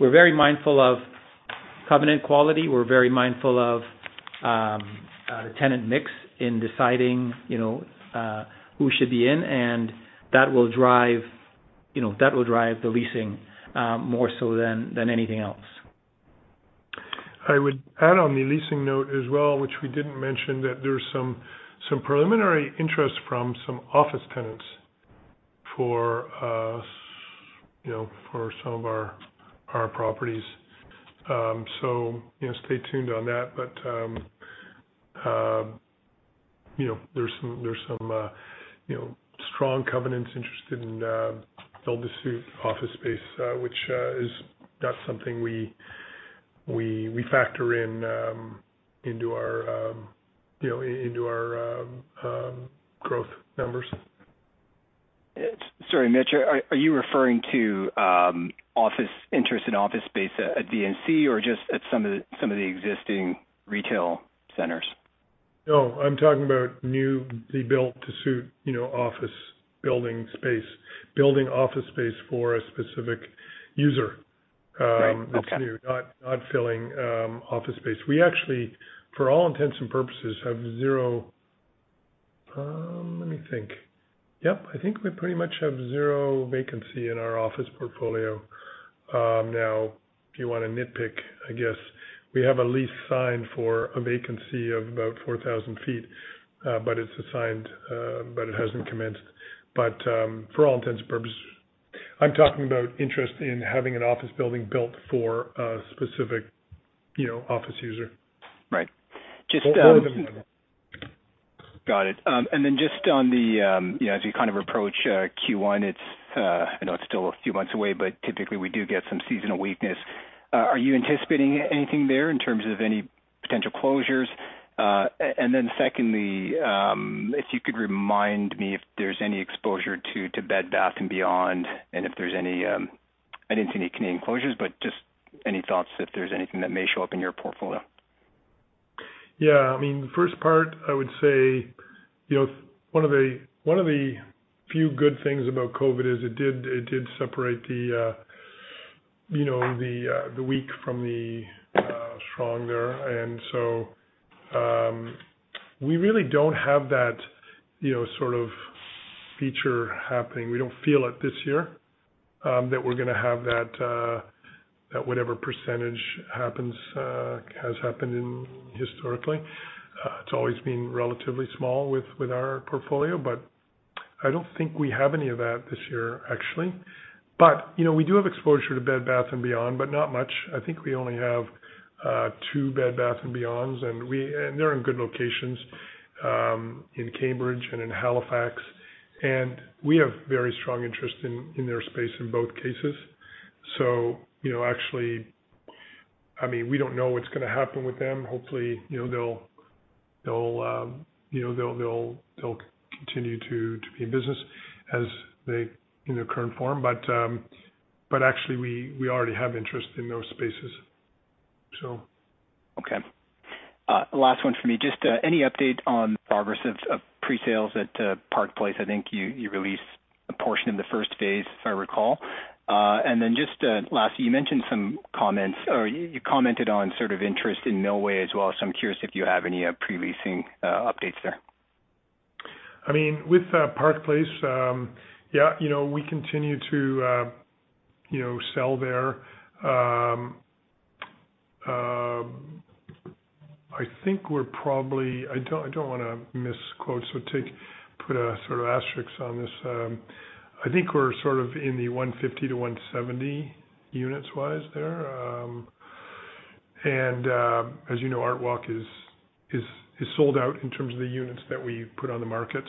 We're very mindful of covenant quality. We're very mindful of the tenant mix in deciding, you know, who should be in, and that will drive the leasing, more so than anything else. I would add on the leasing note as well, which we didn't mention, that there's some preliminary interest from some office tenants for, you know, for some of our properties. You know, stay tuned on that. You know, there's some strong covenants interested in build-to-suit office space, which is not something we factor into our, you know, into our growth numbers. Sorry, Mitch. Are you referring to office interest in office space at VMC or just at some of the existing retail centers? No, I'm talking about new, the built-to-suit, you know, office building space. Building office space for a specific user. Right. Okay. That's new, not filling office space. We actually, for all intents and purposes, have zero. Let me think. Yep. I think we pretty much have zero vacancy in our office portfolio. Now, if you want to nitpick, I guess we have a lease signed for a vacancy of about 4,000 sq ft, but it's assigned, but it hasn't commenced. For all intents and purposes, I'm talking about interest in having an office building built for a specific, you know, office user. Right. Just got it. Just on the, you know, as you kind of approach Q1, it's, I know it's still a few months away, but typically we do get some seasonal weakness. Are you anticipating anything there in terms of any potential closures? Secondly, if you could remind me if there's any exposure to Bed Bath & Beyond, and if there's any, I didn't see any Canadian closures, but just any thoughts if there's anything that may show up in your portfolio. Yeah. I mean, first part I would say, you know, one of the few good things about COVID is it did separate the weak from the strong there. We really don't have that, you know, sort of feature happening. We don't feel it this year that we're gonna have that whatever percentage happens has happened historically. It's always been relatively small with our portfolio, but I don't think we have any of that this year, actually. You know, we do have exposure to Bed Bath & Beyond, but not much. I think we only have two Bed Bath & Beyonds, and they're in good locations in Cambridge and in Halifax, and we have very strong interest in their space in both cases. You know, actually, I mean, we don't know what's gonna happen with them. Hopefully, you know, they'll continue to be in business in their current form. Actually, we already have interest in those spaces. Okay. Last one for me. Just any update on progress of presales at Park Place? I think you released a portion in the first phase, if I recall. Just lastly, you mentioned some comments, or you commented on sort of interest in Millway as well. I'm curious if you have any pre-leasing updates there. I mean, with Park Place, you know, we continue to, you know, sell there. I think we're probably. I don't wanna misquote, so put a sort of asterisk on this. I think we're sort of in the 150-170 units wise there. As you know, ArtWalk is sold out in terms of the units that we put on the market.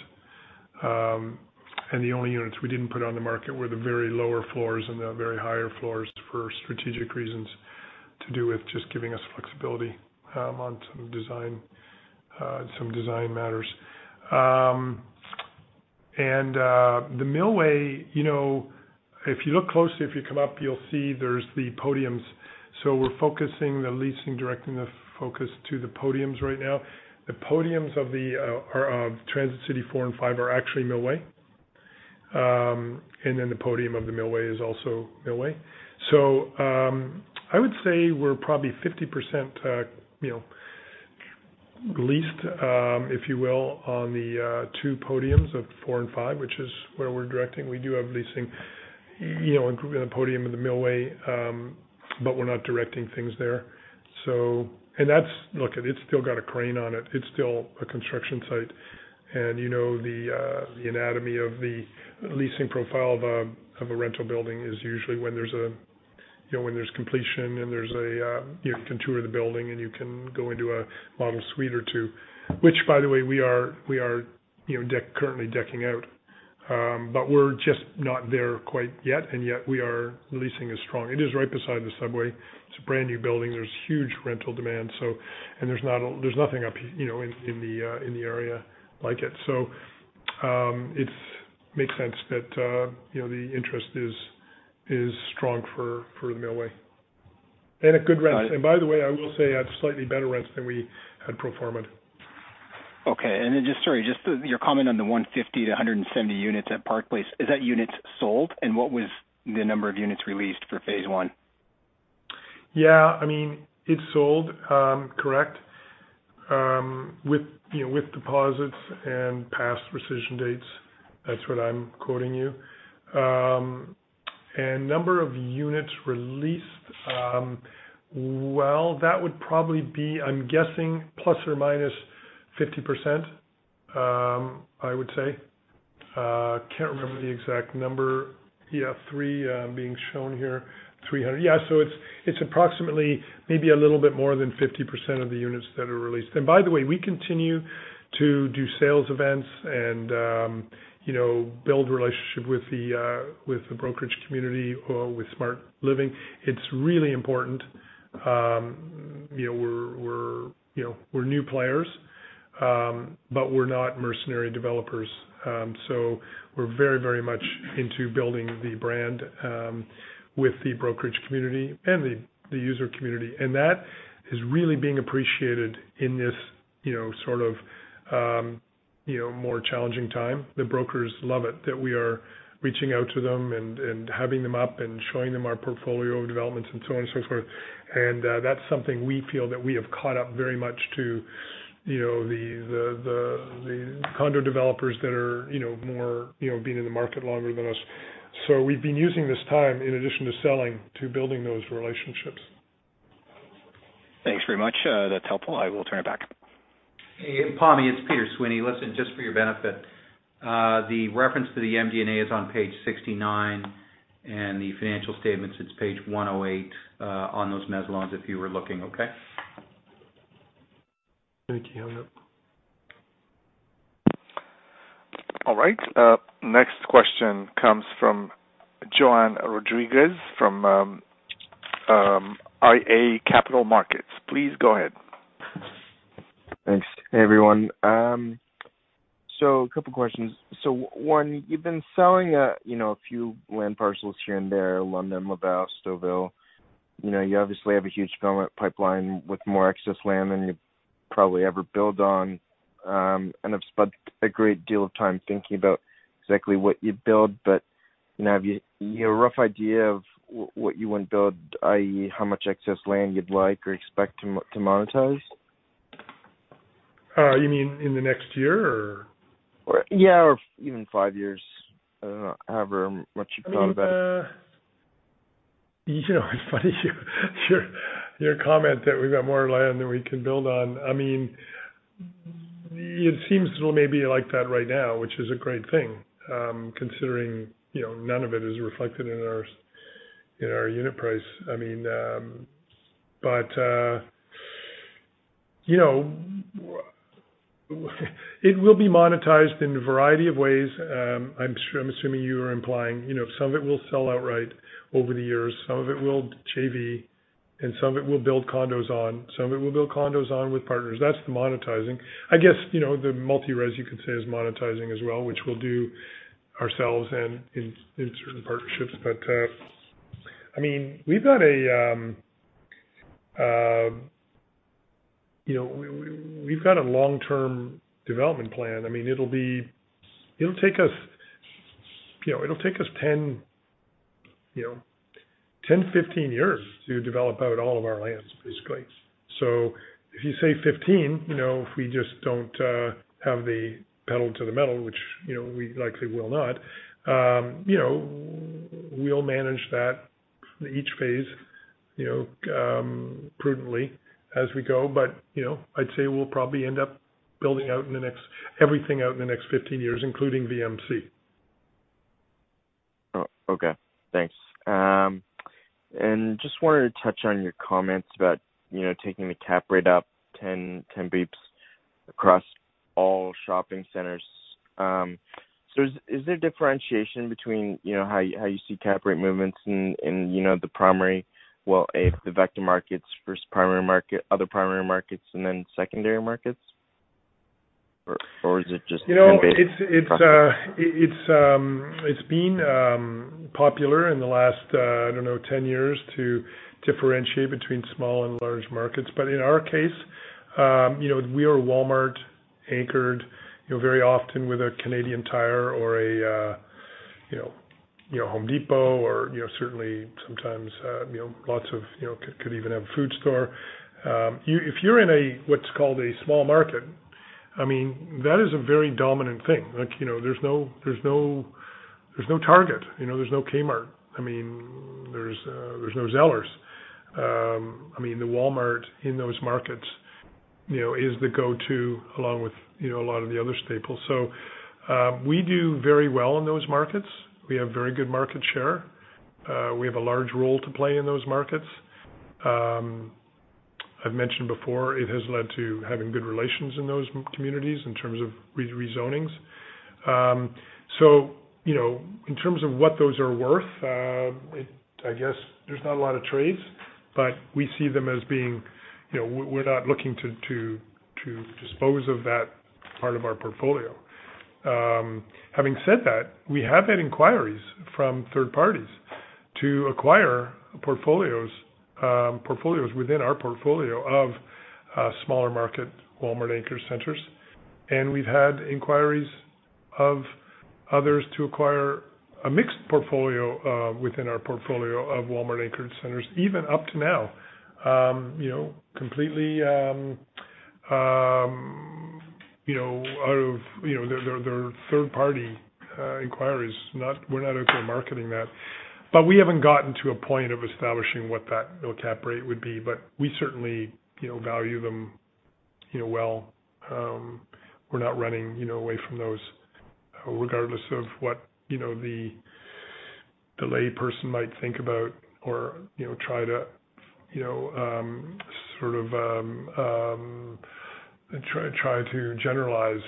The only units we didn't put on the market were the very lower floors and the very higher floors for strategic reasons to do with just giving us flexibility on some design matters. The Millway, you know, if you look closely, if you come up, you'll see there's the podiums. We're focusing the leasing, directing the focus to the podiums right now. The podiums of the Transit City four and five are actually Millway. The podium of the Millway is also Millway. I would say we're probably 50%, you know, leased, if you will, on the two podiums of four and five, which is where we're directing. We do have leasing, you know, in the podium in the Millway, but we're not directing things there. Look, it's still got a crane on it. It's still a construction site. You know, the anatomy of the leasing profile of a rental building is usually when there's completion and you can tour the building and you can go into a model suite or two. Which by the way, we are, you know, currently decking out. But we're just not there quite yet, and yet we are leasing as strong. It is right beside the subway. It's a brand-new building. There's huge rental demand. There's nothing up, you know, in the area like it. It makes sense that, you know, the interest is strong for the Millway. A good rent. By the way, I will say at slightly better rents than we had pro forma'd. Okay. Sorry, just your comment on the 150 to 170 units at Park Place, is that units sold? What was the number of units released for phase one? Yeah, I mean, it's sold, correct. With, you know, with deposits and past rescission dates, that's what I'm quoting you. Number of units released, well, that would probably be, I'm guessing ±50%, I would say. Can't remember the exact number. Yeah, three being shown here, 300. Yeah. It's approximately maybe a little bit more than 50% of the units that are released. By the way, we continue to do sales events and, you know, build relationship with the with the brokerage community or with SmartLiving. It's really important. You know, we're, you know, we're new players, but we're not mercenary developers. We're very much into building the brand, with the brokerage community and the user community. That is really being appreciated in this, you know, sort of, you know, more challenging time. The brokers love it, that we are reaching out to them and having them up and showing them our portfolio of developments and so on and so forth. That's something we feel that we have caught up very much to, you know, the condo developers that are, you know, more, you know, been in the market longer than us. We've been using this time in addition to selling to building those relationships. Thanks very much. That's helpful. I will turn it back. Hey, Pammi, it's Peter Sweeney. Listen, just for your benefit, the reference to the MD&A is on page 69, and the financial statements, it's page 108, on those mezz loans, if you were looking, okay. Thank you. Hang on. All right. Next question comes from Johann Rodrigues from iA Capital Markets. Please go ahead. Thanks. Hey, everyone. A couple questions. One, you've been selling, you know, a few land parcels here and there, London, Laval, Stouffville. You know, you obviously have a huge development pipeline with more excess land than you'd probably ever build on. I've spent a great deal of time thinking about exactly what you'd build. You know, have you a rough idea of what you want to build, i.e., how much excess land you'd like or expect to monetize? You mean in the next year or? Yeah, or even five years. I don't know. However much you've thought about it. I mean, you know, it's funny, your comment that we've got more land than we can build on. I mean, it seems as though maybe you like that right now, which is a great thing, considering, you know, none of it is reflected in our unit price. I mean, it will be monetized in a variety of ways. I'm assuming you are implying, you know, some of it will sell outright over the years, some of it will JV, and some of it we'll build condos on. Some of it we'll build condos on with partners. That's the monetizing. I guess, you know, the multi res, you could say, is monetizing as well, which we'll do ourselves and in certain partnerships. I mean, you know, we've got a long-term development plan. I mean, it'll take us, you know, 10-15 years to develop out all of our lands, basically. If you say 15, you know, if we just don't have the pedal to the metal, which, you know, we likely will not, you know, we'll manage that each phase, you know, prudently as we go. You know, I'd say we'll probably end up building out everything in the next 15 years, including VMC. Okay. Thanks. Just wanted to touch on your comments about, you know, taking the cap rate up 10 basis points across all shopping centers. So is there differentiation between, you know, how you see cap rate movements in, you know, the gateway markets versus other primary markets, and then secondary markets? Or is it just 10 basis points across the board? You know, it's been popular in the last, I don't know, 10 years to differentiate between small and large markets. In our case, you know, we are Walmart anchored, you know, very often with a Canadian Tire or a Home Depot or certainly sometimes lots of could even have a food store. If you're in a, what's called a small market, I mean, that is a very dominant thing. Like, you know, there's no Target. You know, there's no Kmart. I mean, there's no Zellers. I mean, the Walmart in those markets, you know, is the go-to along with, you know, a lot of the other staples. We do very well in those markets. We have very good market share. We have a large role to play in those markets. I've mentioned before, it has led to having good relations in those communities in terms of rezonings. You know, in terms of what those are worth, I guess there's not a lot of trades, but we see them as being, you know, we're not looking to dispose of that part of our portfolio. Having said that, we have had inquiries from third parties to acquire portfolios within our portfolio of smaller-market Walmart-anchored centers. We've had inquiries of others to acquire a mixed portfolio within our portfolio of Walmart-anchored centers, even up to now, you know, completely, you know, out of their third party inquiries. We're not out there marketing that. We haven't gotten to a point of establishing what that cap rate would be, but we certainly, you know, value them, you know, well. We're not running, you know, away from those regardless of what, you know, the lay person might think about or, you know, try to, you know, sort of try to generalize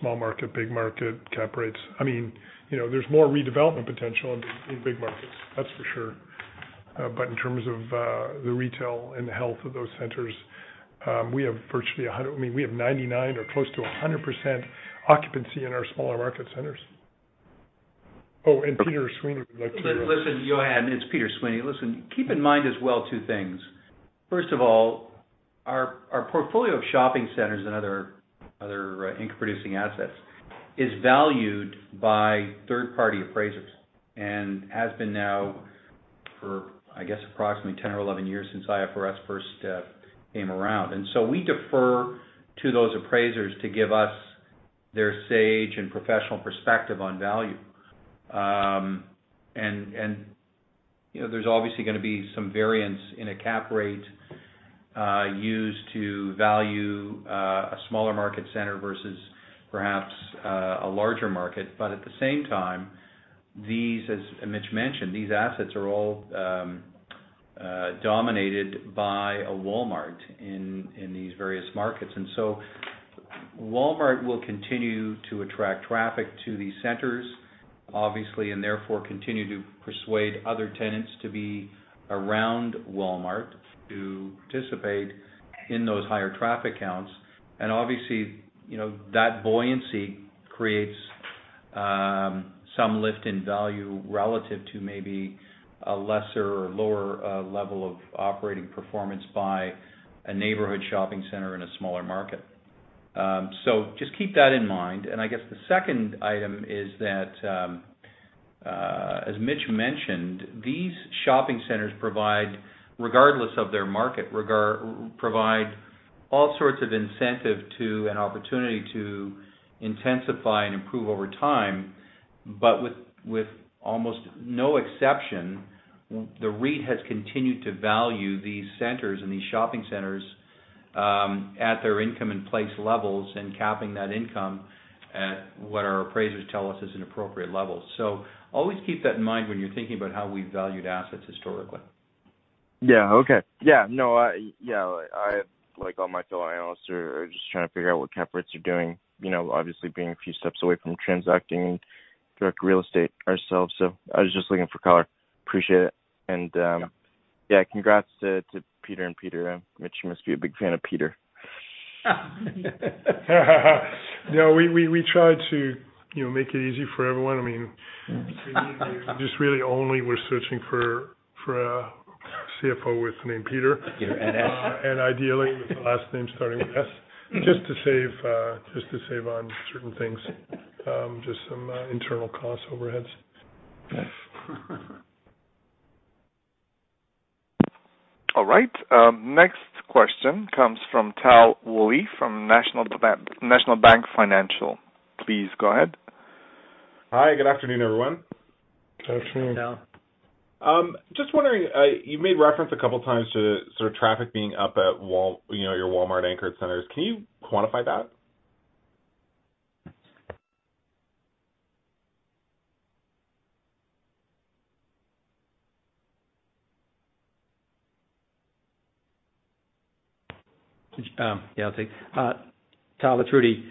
small market, big market cap rates. I mean, you know, there's more redevelopment potential in big markets, that's for sure. In terms of the retail and the health of those centers, we have virtually 100, I mean, we have 99 or close to 100% occupancy in our smaller market centers. Peter Sweeney would like to Listen, Johann Rodrigues, it's Peter Sweeney. Listen, keep in mind as well two things. First of all, our portfolio of shopping centers and other income producing assets is valued by third-party appraisers and has been, I guess, approximately 10 or 11 years since IFRS first came around. We defer to those appraisers to give us their sage and professional perspective on value. You know, there's obviously gonna be some variance in a cap rate used to value a smaller market center versus perhaps a larger market. At the same time, these, and Mitch mentioned, these assets are all dominated by a Walmart in these various markets. Walmart will continue to attract traffic to these centers, obviously, and therefore, continue to persuade other tenants to be around Walmart to participate in those higher traffic counts. Obviously, that buoyancy creates some lift in value relative to maybe a lesser or lower level of operating performance by a neighborhood shopping center in a smaller market. Just keep that in mind. I guess the second item is that, as Mitch mentioned, these shopping centers provide all sorts of incentive to an opportunity to intensify and improve over time. With almost no exception, the REIT has continued to value these centers and these shopping centers at their income in place levels and capping that income at what our appraisers tell us is an appropriate level. Always keep that in mind when you're thinking about how we valued assets historically. Yeah. Okay. Yeah. No, yeah, like all my fellow analysts are just trying to figure out what cap rates are doing, you know, obviously being a few steps away from transacting direct real estate ourselves. I was just looking for color. Appreciate it. Yeah. Yeah, congrats to Peter and Peter. Mitch, you must be a big fan of Peter. No, we try to, you know, make it easy for everyone. I mean, just really only we're searching for a CFO with the name Peter. Peter Slan. Ideally, with the last name starting with S. Just to save on certain things, just some internal costs overheads. All right. Next question comes from Tal Woolley from National Bank, National Bank Financial. Please go ahead. Hi. Good afternoon, everyone. Good afternoon. Good afternoon. Just wondering, you made reference a couple of times to sort of traffic being up at Walmart, you know, your Walmart-anchored centers. Can you quantify that? Yeah, I'll take. Tal, it's Rudy.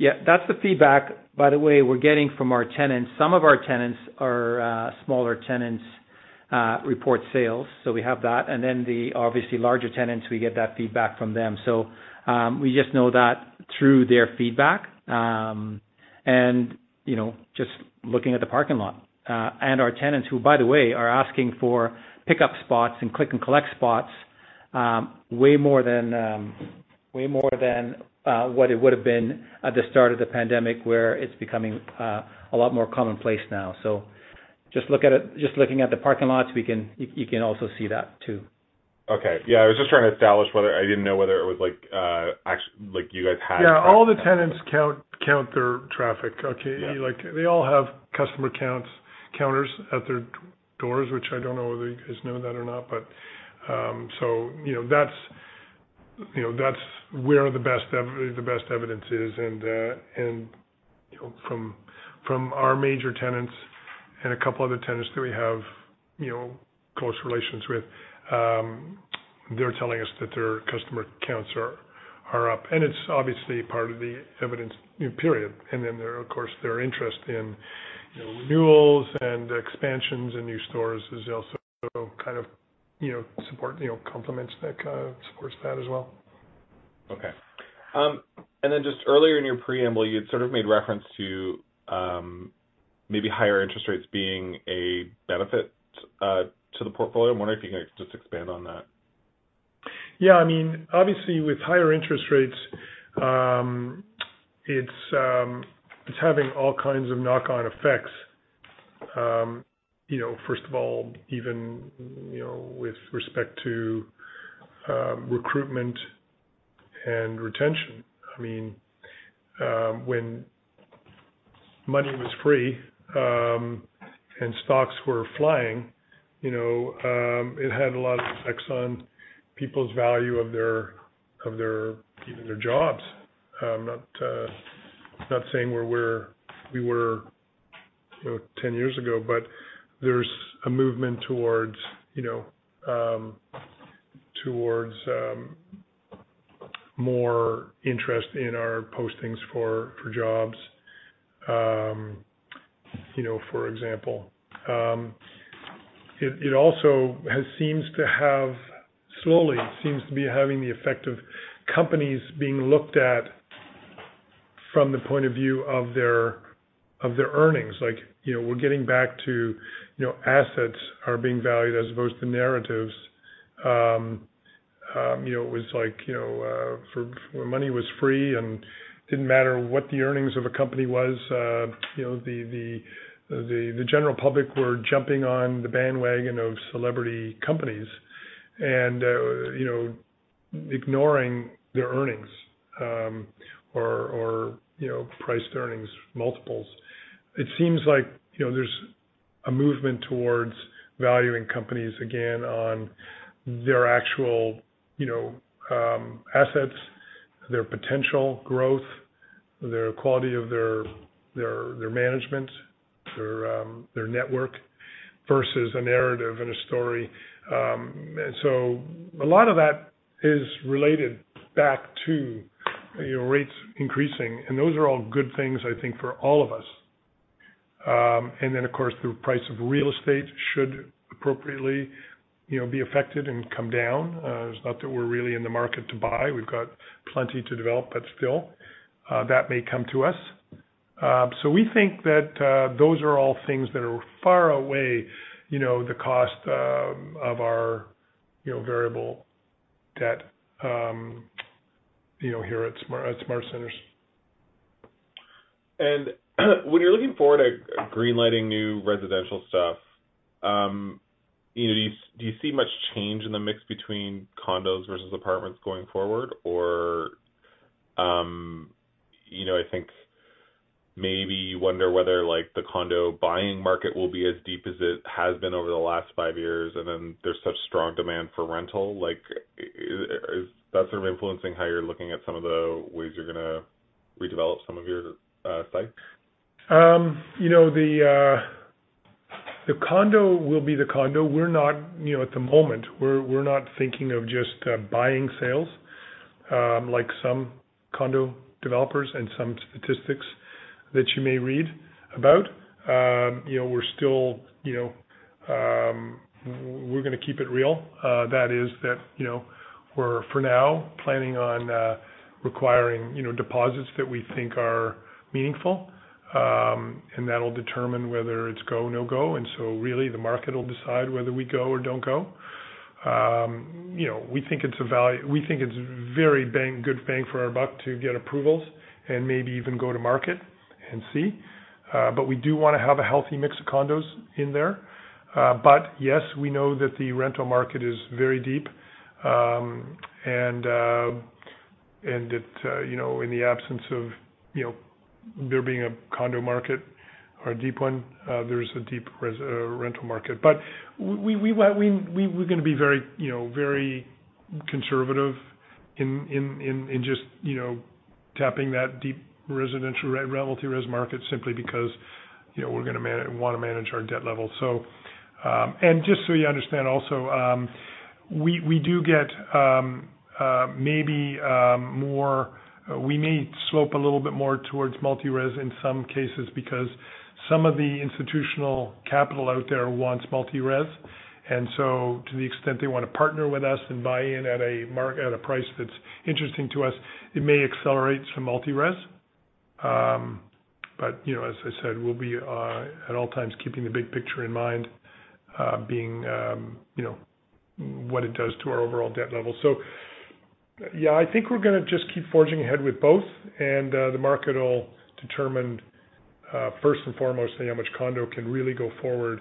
Yeah, that's the feedback, by the way, we're getting from our tenants. Some of our tenants are smaller tenants report sales, so we have that. Then, obviously, larger tenants, we get that feedback from them. We just know that through their feedback, and, you know, just looking at the parking lot. Our tenants, who, by the way, are asking for pickup spots and click and collect spots, way more than what it would have been at the start of the pandemic, where it's becoming a lot more commonplace now. Just looking at the parking lots, you can also see that too. Okay. Yeah, I was just trying to establish whether I didn't know whether it was like you guys had- Yeah, all the tenants count their traffic. Okay? Yeah. Like, they all have customer counts, counters at their doors, which I don't know whether you guys know that or not. You know, that's where the best evidence is. You know, from our major tenants and a couple other tenants that we have, you know, close relations with, they're telling us that their customer counts are up, and it's obviously part of the evidence, you know, period. Then there, of course, their interest in, you know, renewals and expansions in new stores is also kind of, you know, supports that as well. Okay. Just earlier in your preamble, you had sort of made reference to maybe higher interest rates being a benefit to the portfolio. I'm wondering if you can just expand on that. Yeah, I mean, obviously with higher interest rates, it's having all kinds of knock-on effects. You know, first of all, even with respect to recruitment and retention. I mean, when money was free and stocks were flying, you know, it had a lot of effects on people's value of their jobs. I'm not saying we're where we were, you know, 10 years ago, but there's a movement towards more interest in our postings for jobs, you know, for example. It also slowly seems to be having the effect of companies being looked at from the point of view of their earnings. Like, you know, we're getting back to, you know, assets are being valued as opposed to narratives. You know, it was like, you know, for where money was free and didn't matter what the earnings of a company was, you know, the general public were jumping on the bandwagon of celebrity companies and, you know, ignoring their earnings, or you know, priced earnings multiples. It seems like, you know, there's a movement towards valuing companies again on their actual, you know, assets, their potential growth, their quality of their management, their network versus a narrative and a story. A lot of that is related back to, you know, rates increasing, and those are all good things, I think for all of us. Of course, the price of real estate should appropriately, you know, be affected and come down. It's not that we're really in the market to buy. We've got plenty to develop, but still, that may come to us. We think that those are all things that are far away, you know, the cost of our, you know, variable debt, you know, here at SmartCentres. When you're looking forward to green-lighting new residential stuff, you know, do you see much change in the mix between condos versus apartments going forward or, you know, I think maybe you wonder whether like the condo buying market will be as deep as it has been over the last five years, and then there's such strong demand for rental. Like, is that sort of influencing how you're looking at some of the ways you're gonna redevelop some of your sites? You know, the condo will be the condo. We're not, you know, at the moment, we're not thinking of just pre-sales, like some condo developers and some statistics that you may read about. You know, we're still, you know, we're gonna keep it real. That is that, you know, we're for now planning on requiring, you know, deposits that we think are meaningful, and that'll determine whether it's go/no-go. Really, the market will decide whether we go or don't go. You know, we think it's valuable. We think it's very good bang for our buck to get approvals and maybe even go to market and see. But we do wanna have a healthy mix of condos in there. But yes, we know that the rental market is very deep. In the absence of, you know, there being a condo market or a deep one, there's a deep res rental market. We're gonna be very, you know, very conservative in just, you know, tapping that deep residential rental multi-res market simply because, you know, we wanna manage our debt level. Just so you understand also, we do get, maybe, more. We may slope a little bit more towards multi-res in some cases because some of the institutional capital out there wants multi-res. To the extent they wanna partner with us and buy in at a price that's interesting to us, it may accelerate some multi-res. You know, as I said, we'll be at all times keeping the big picture in mind, you know, what it does to our overall debt level. Yeah, I think we're gonna just keep forging ahead with both. The market will determine first and foremost how much condo can really go forward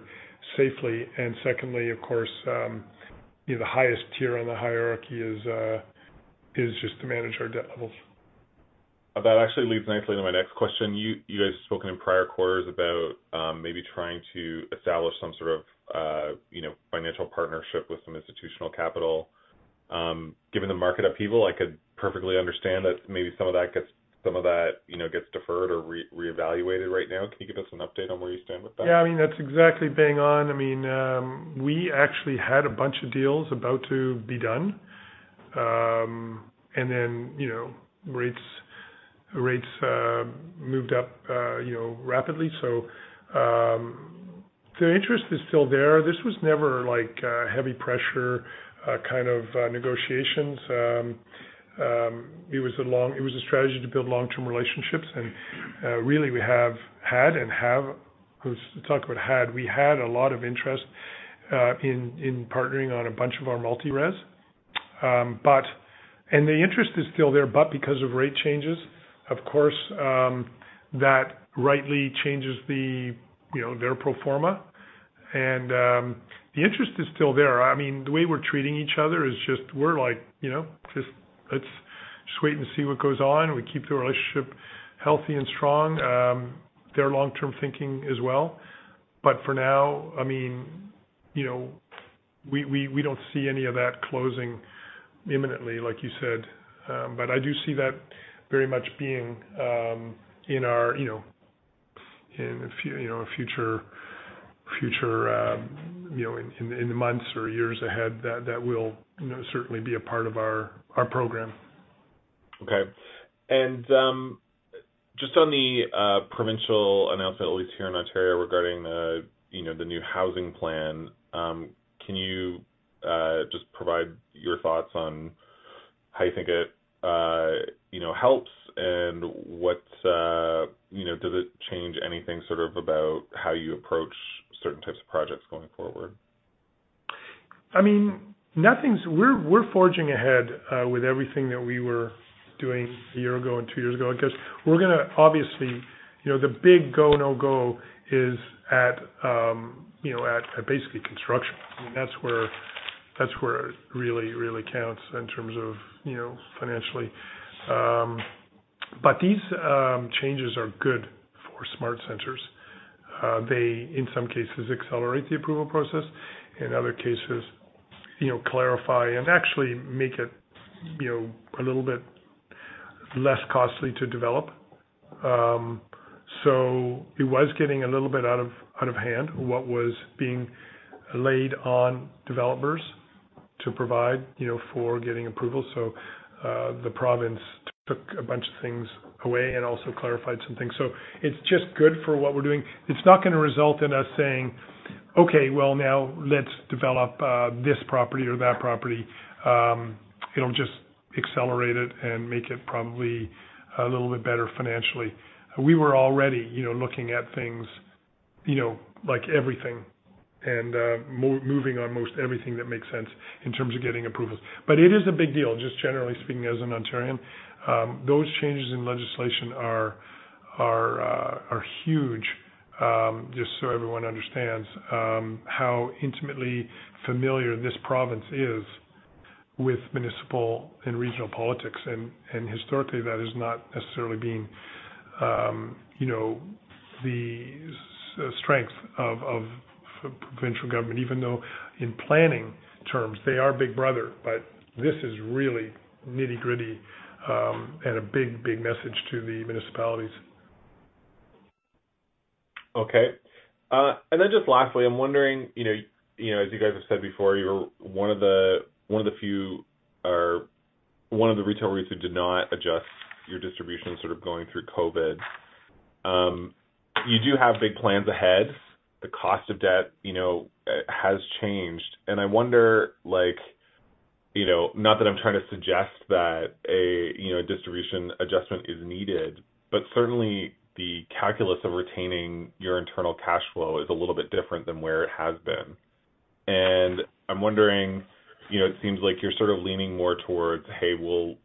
safely. Secondly, of course, you know, the highest tier on the hierarchy is just to manage our debt levels. That actually leads nicely into my next question. You guys have spoken in prior quarters about maybe trying to establish some sort of, you know, financial partnership with some institutional capital. Given the market upheaval, I could perfectly understand that maybe some of that gets deferred or reevaluated right now. Can you give us an update on where you stand with that? Yeah. I mean, that's exactly bang on. I mean, we actually had a bunch of deals about to be done. Then, you know, rates moved up, you know, rapidly. The interest is still there. This was never like a heavy pressure kind of negotiations. It was a strategy to build long-term relationships. Really, we have had and have. Let's talk about had. We had a lot of interest in partnering on a bunch of our multi-res. The interest is still there, but because of rate changes, of course, that rightly changes, you know, their pro forma. The interest is still there. I mean, the way we're treating each other is just we're like, you know, just let's just wait and see what goes on. We keep the relationship healthy and strong. They're long-term thinking as well. For now, I mean, you know, we don't see any of that closing imminently, like you said. I do see that very much being, you know, in a future, you know, in the months or years ahead, that will, you know, certainly be a part of our program. Okay. Just on the provincial announcement, at least here in Ontario, regarding the, you know, the new housing plan, can you just provide your thoughts on how you think it, you know, helps and what, you know, does it change anything sort of about how you approach certain types of projects going forward? I mean, We're forging ahead with everything that we were doing a year ago and two years ago. I guess we're gonna obviously, you know, the big go, no-go is at, you know, basically construction. I mean, that's where it really counts in terms of, you know, financially. But these changes are good for SmartCentres. They in some cases accelerate the approval process. In other cases, you know, clarify and actually make it, you know, a little bit less costly to develop. So it was getting a little bit out of hand what was being laid on developers to provide, you know, for getting approval. The province took a bunch of things away and also clarified some things. It's just good for what we're doing. It's not gonna result in us saying, "Okay, well, now let's develop this property or that property." It'll just accelerate it and make it probably a little bit better financially. We were already, you know, looking at things, you know, like everything and moving on most everything that makes sense in terms of getting approvals. But it is a big deal, just generally speaking as an Ontarian, those changes in legislation are huge, just so everyone understands how intimately familiar this province is with municipal and regional politics, and historically, that is not necessarily being, you know, the strength of provincial government, even though in planning terms they are big brother. But this is really nitty-gritty and a big, big message to the municipalities. Okay. And then just lastly, I'm wondering, you know, as you guys have said before, you were one of the few or one of the retail REITs who did not adjust your distribution sort of going through COVID. You do have big plans ahead. The cost of debt, you know, has changed, and I wonder like, you know, not that I'm trying to suggest that a, you know, distribution adjustment is needed, but certainly the calculus of retaining your internal cash flow is a little bit different than where it has been. I'm wondering, you know, it seems like you're sort of leaning more towards, hey, we'll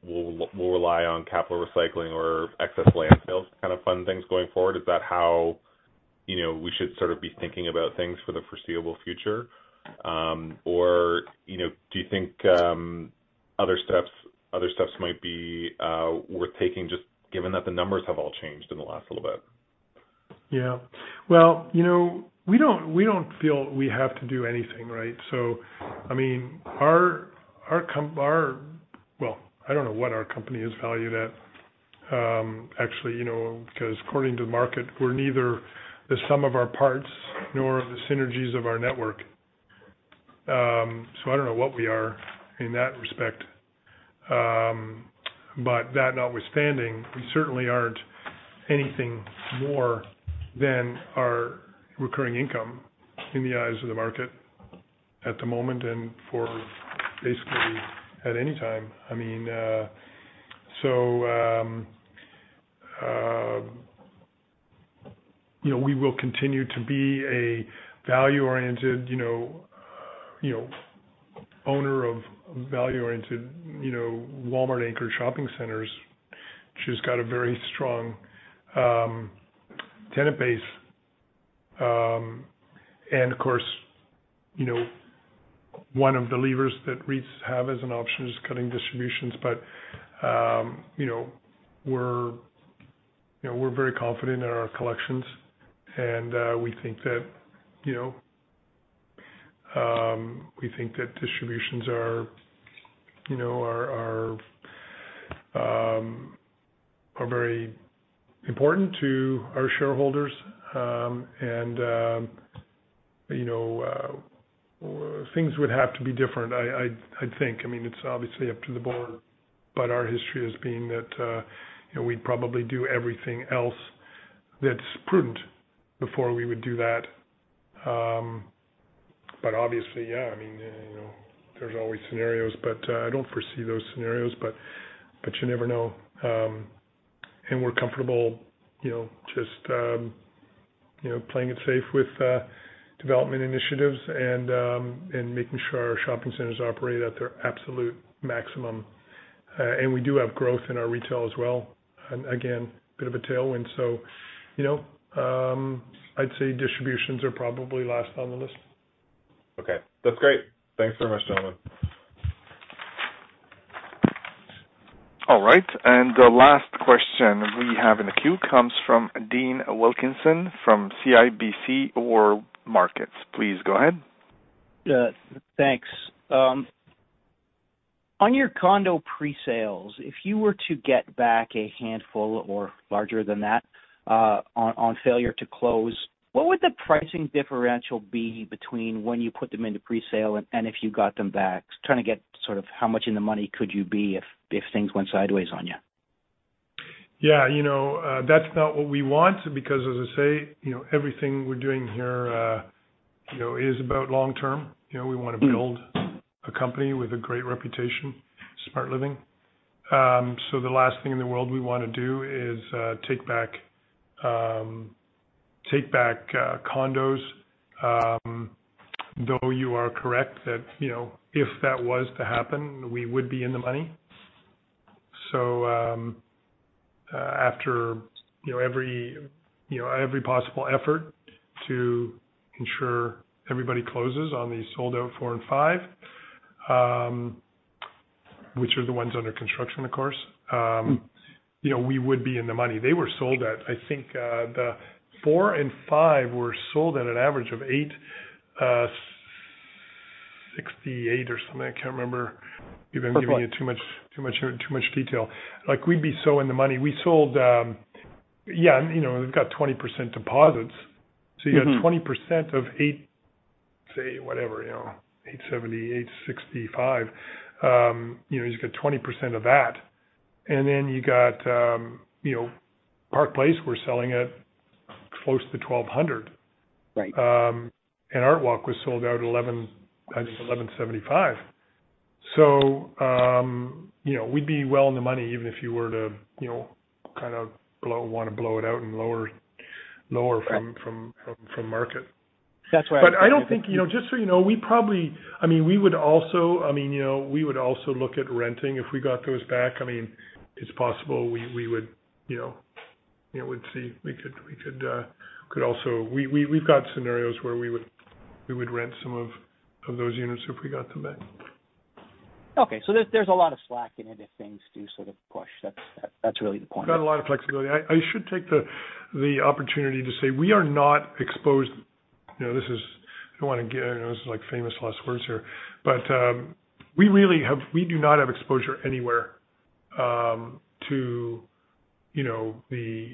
rely on capital recycling or excess land sales to kind of fund things going forward. Is that how, you know, we should sort of be thinking about things for the foreseeable future? You know, do you think other steps might be worth taking just given that the numbers have all changed in the last little bit? Yeah. Well, you know, we don't feel we have to do anything, right? I mean, Well, I don't know what our company is valued at, actually, you know, 'cause according to the market, we're neither the sum of our parts nor the synergies of our network. So I don't know what we are in that respect. But that notwithstanding, we certainly aren't anything more than our recurring income in the eyes of the market at the moment and for basically at any time. I mean, you know, we will continue to be a value-oriented, you know, owner of value-oriented, you know, Walmart anchor shopping centers, which has got a very strong tenant base. Of course, you know, one of the levers that REITs have as an option is cutting distributions. You know, we're very confident in our collections and we think that distributions are very important to our shareholders. You know, things would have to be different. I'd think. I mean, it's obviously up to the board, but our history has been that you know we'd probably do everything else that's prudent before we would do that. Obviously, yeah, I mean, you know, there's always scenarios, but I don't foresee those scenarios. You never know. We're comfortable you know just you know playing it safe with development initiatives and making sure our shopping centers operate at their absolute maximum. We do have growth in our retail as well. Again, bit of a tailwind. You know, I'd say distributions are probably last on the list. Okay. That's great. Thanks very much, gentlemen. All right. The last question we have in the queue comes from Dean Wilkinson from CIBC World Markets. Please go ahead. Yeah. Thanks. On your condo pre-sales, if you were to get back a handful or larger than that, on failure to close, what would the pricing differential be between when you put them into pre-sale and if you got them back? Trying to get sort of how much in the money could you be if things went sideways on you? Yeah. You know, that's not what we want because as I say, you know, everything we're doing here, you know, is about long-term. You know, we wanna build a company with a great reputation, SmartLiving. The last thing in the world we wanna do is take back condos. Though you are correct that, you know, if that was to happen, we would be in the money. After every possible effort to ensure everybody closes on the sold-out four and five, which are the ones under construction, of course. You know, we would be in the money. They were sold at, I think, the four and five were sold at an average of 868 or something. I can't remember even giving you too much detail. Like we'd be so in the money. We sold. Yeah, and you know, we've got 20% deposits. You got 20% of 8, say whatever, you know, 8.70, 8.65. You know, you just get 20% of that. You got, you know, Park Place, we're selling at close to 1,200. Right. ArtWalk was sold out 11, I think 1,175. You know, we'd be well in the money even if you were to, you know, kind of wanna blow it out and lower from- Right. From market. That's right. I don't think, you know, just so you know, I mean, we would also look at renting if we got those back. I mean, it's possible we would, you know, we'd see. We could also. We've got scenarios where we would rent some of those units if we got them back. Okay. There's a lot of slack in it if things do sort of push. That's really the point. Got a lot of flexibility. I should take the opportunity to say we are not exposed. You know, this is like famous last words here. We do not have exposure anywhere to you know, the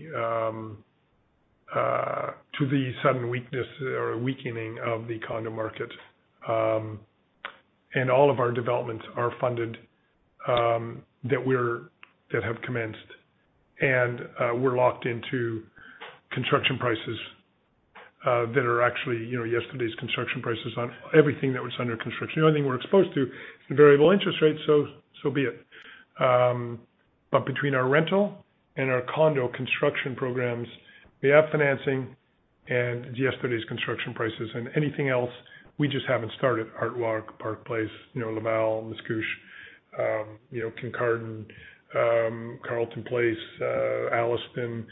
sudden weakness or weakening of the condo market. All of our developments are funded, that have commenced. We're locked into construction prices that are actually you know, yesterday's construction prices on everything that was under construction. The only thing we're exposed to is the variable interest rates, so be it. Between our rental and our condo construction programs, we have financing and yesterday's construction prices. Anything else, we just haven't started ArtWalk, Park Place, you know, Laval, Mascouche, you know, Kincardine, Carleton Place, Alliston,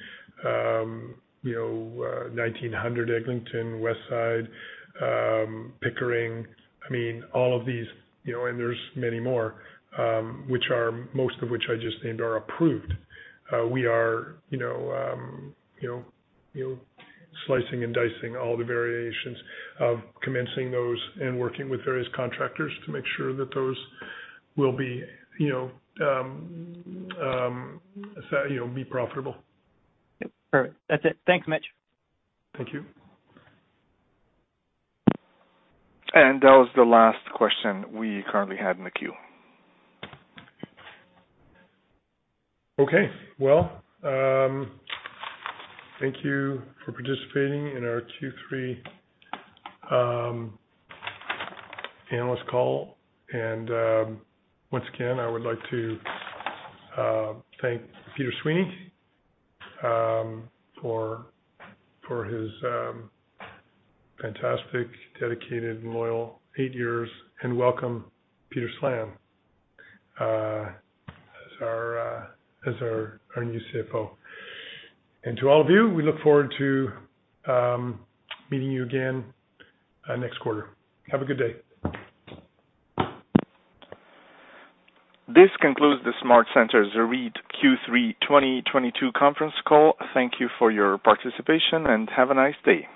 you know, 1900 Eglinton, Westside, Pickering. I mean, all of these, you know, and there's many more, which are, most of which I just named are approved. We are, you know, slicing and dicing all the variations of commencing those and working with various contractors to make sure that those will be, you know, be profitable. Yep. All right. That's it. Thanks, Mitch. Thank you. That was the last question we currently had in the queue. Okay. Well, thank you for participating in our Q3 analyst call. Once again, I would like to thank Peter Sweeney for his fantastic, dedicated, loyal eight years. Welcome Peter Slan as our new CFO. To all of you, we look forward to meeting you again next quarter. Have a good day. This concludes the SmartCentres REIT Q3 2022 conference call. Thank you for your participation, and have a nice day.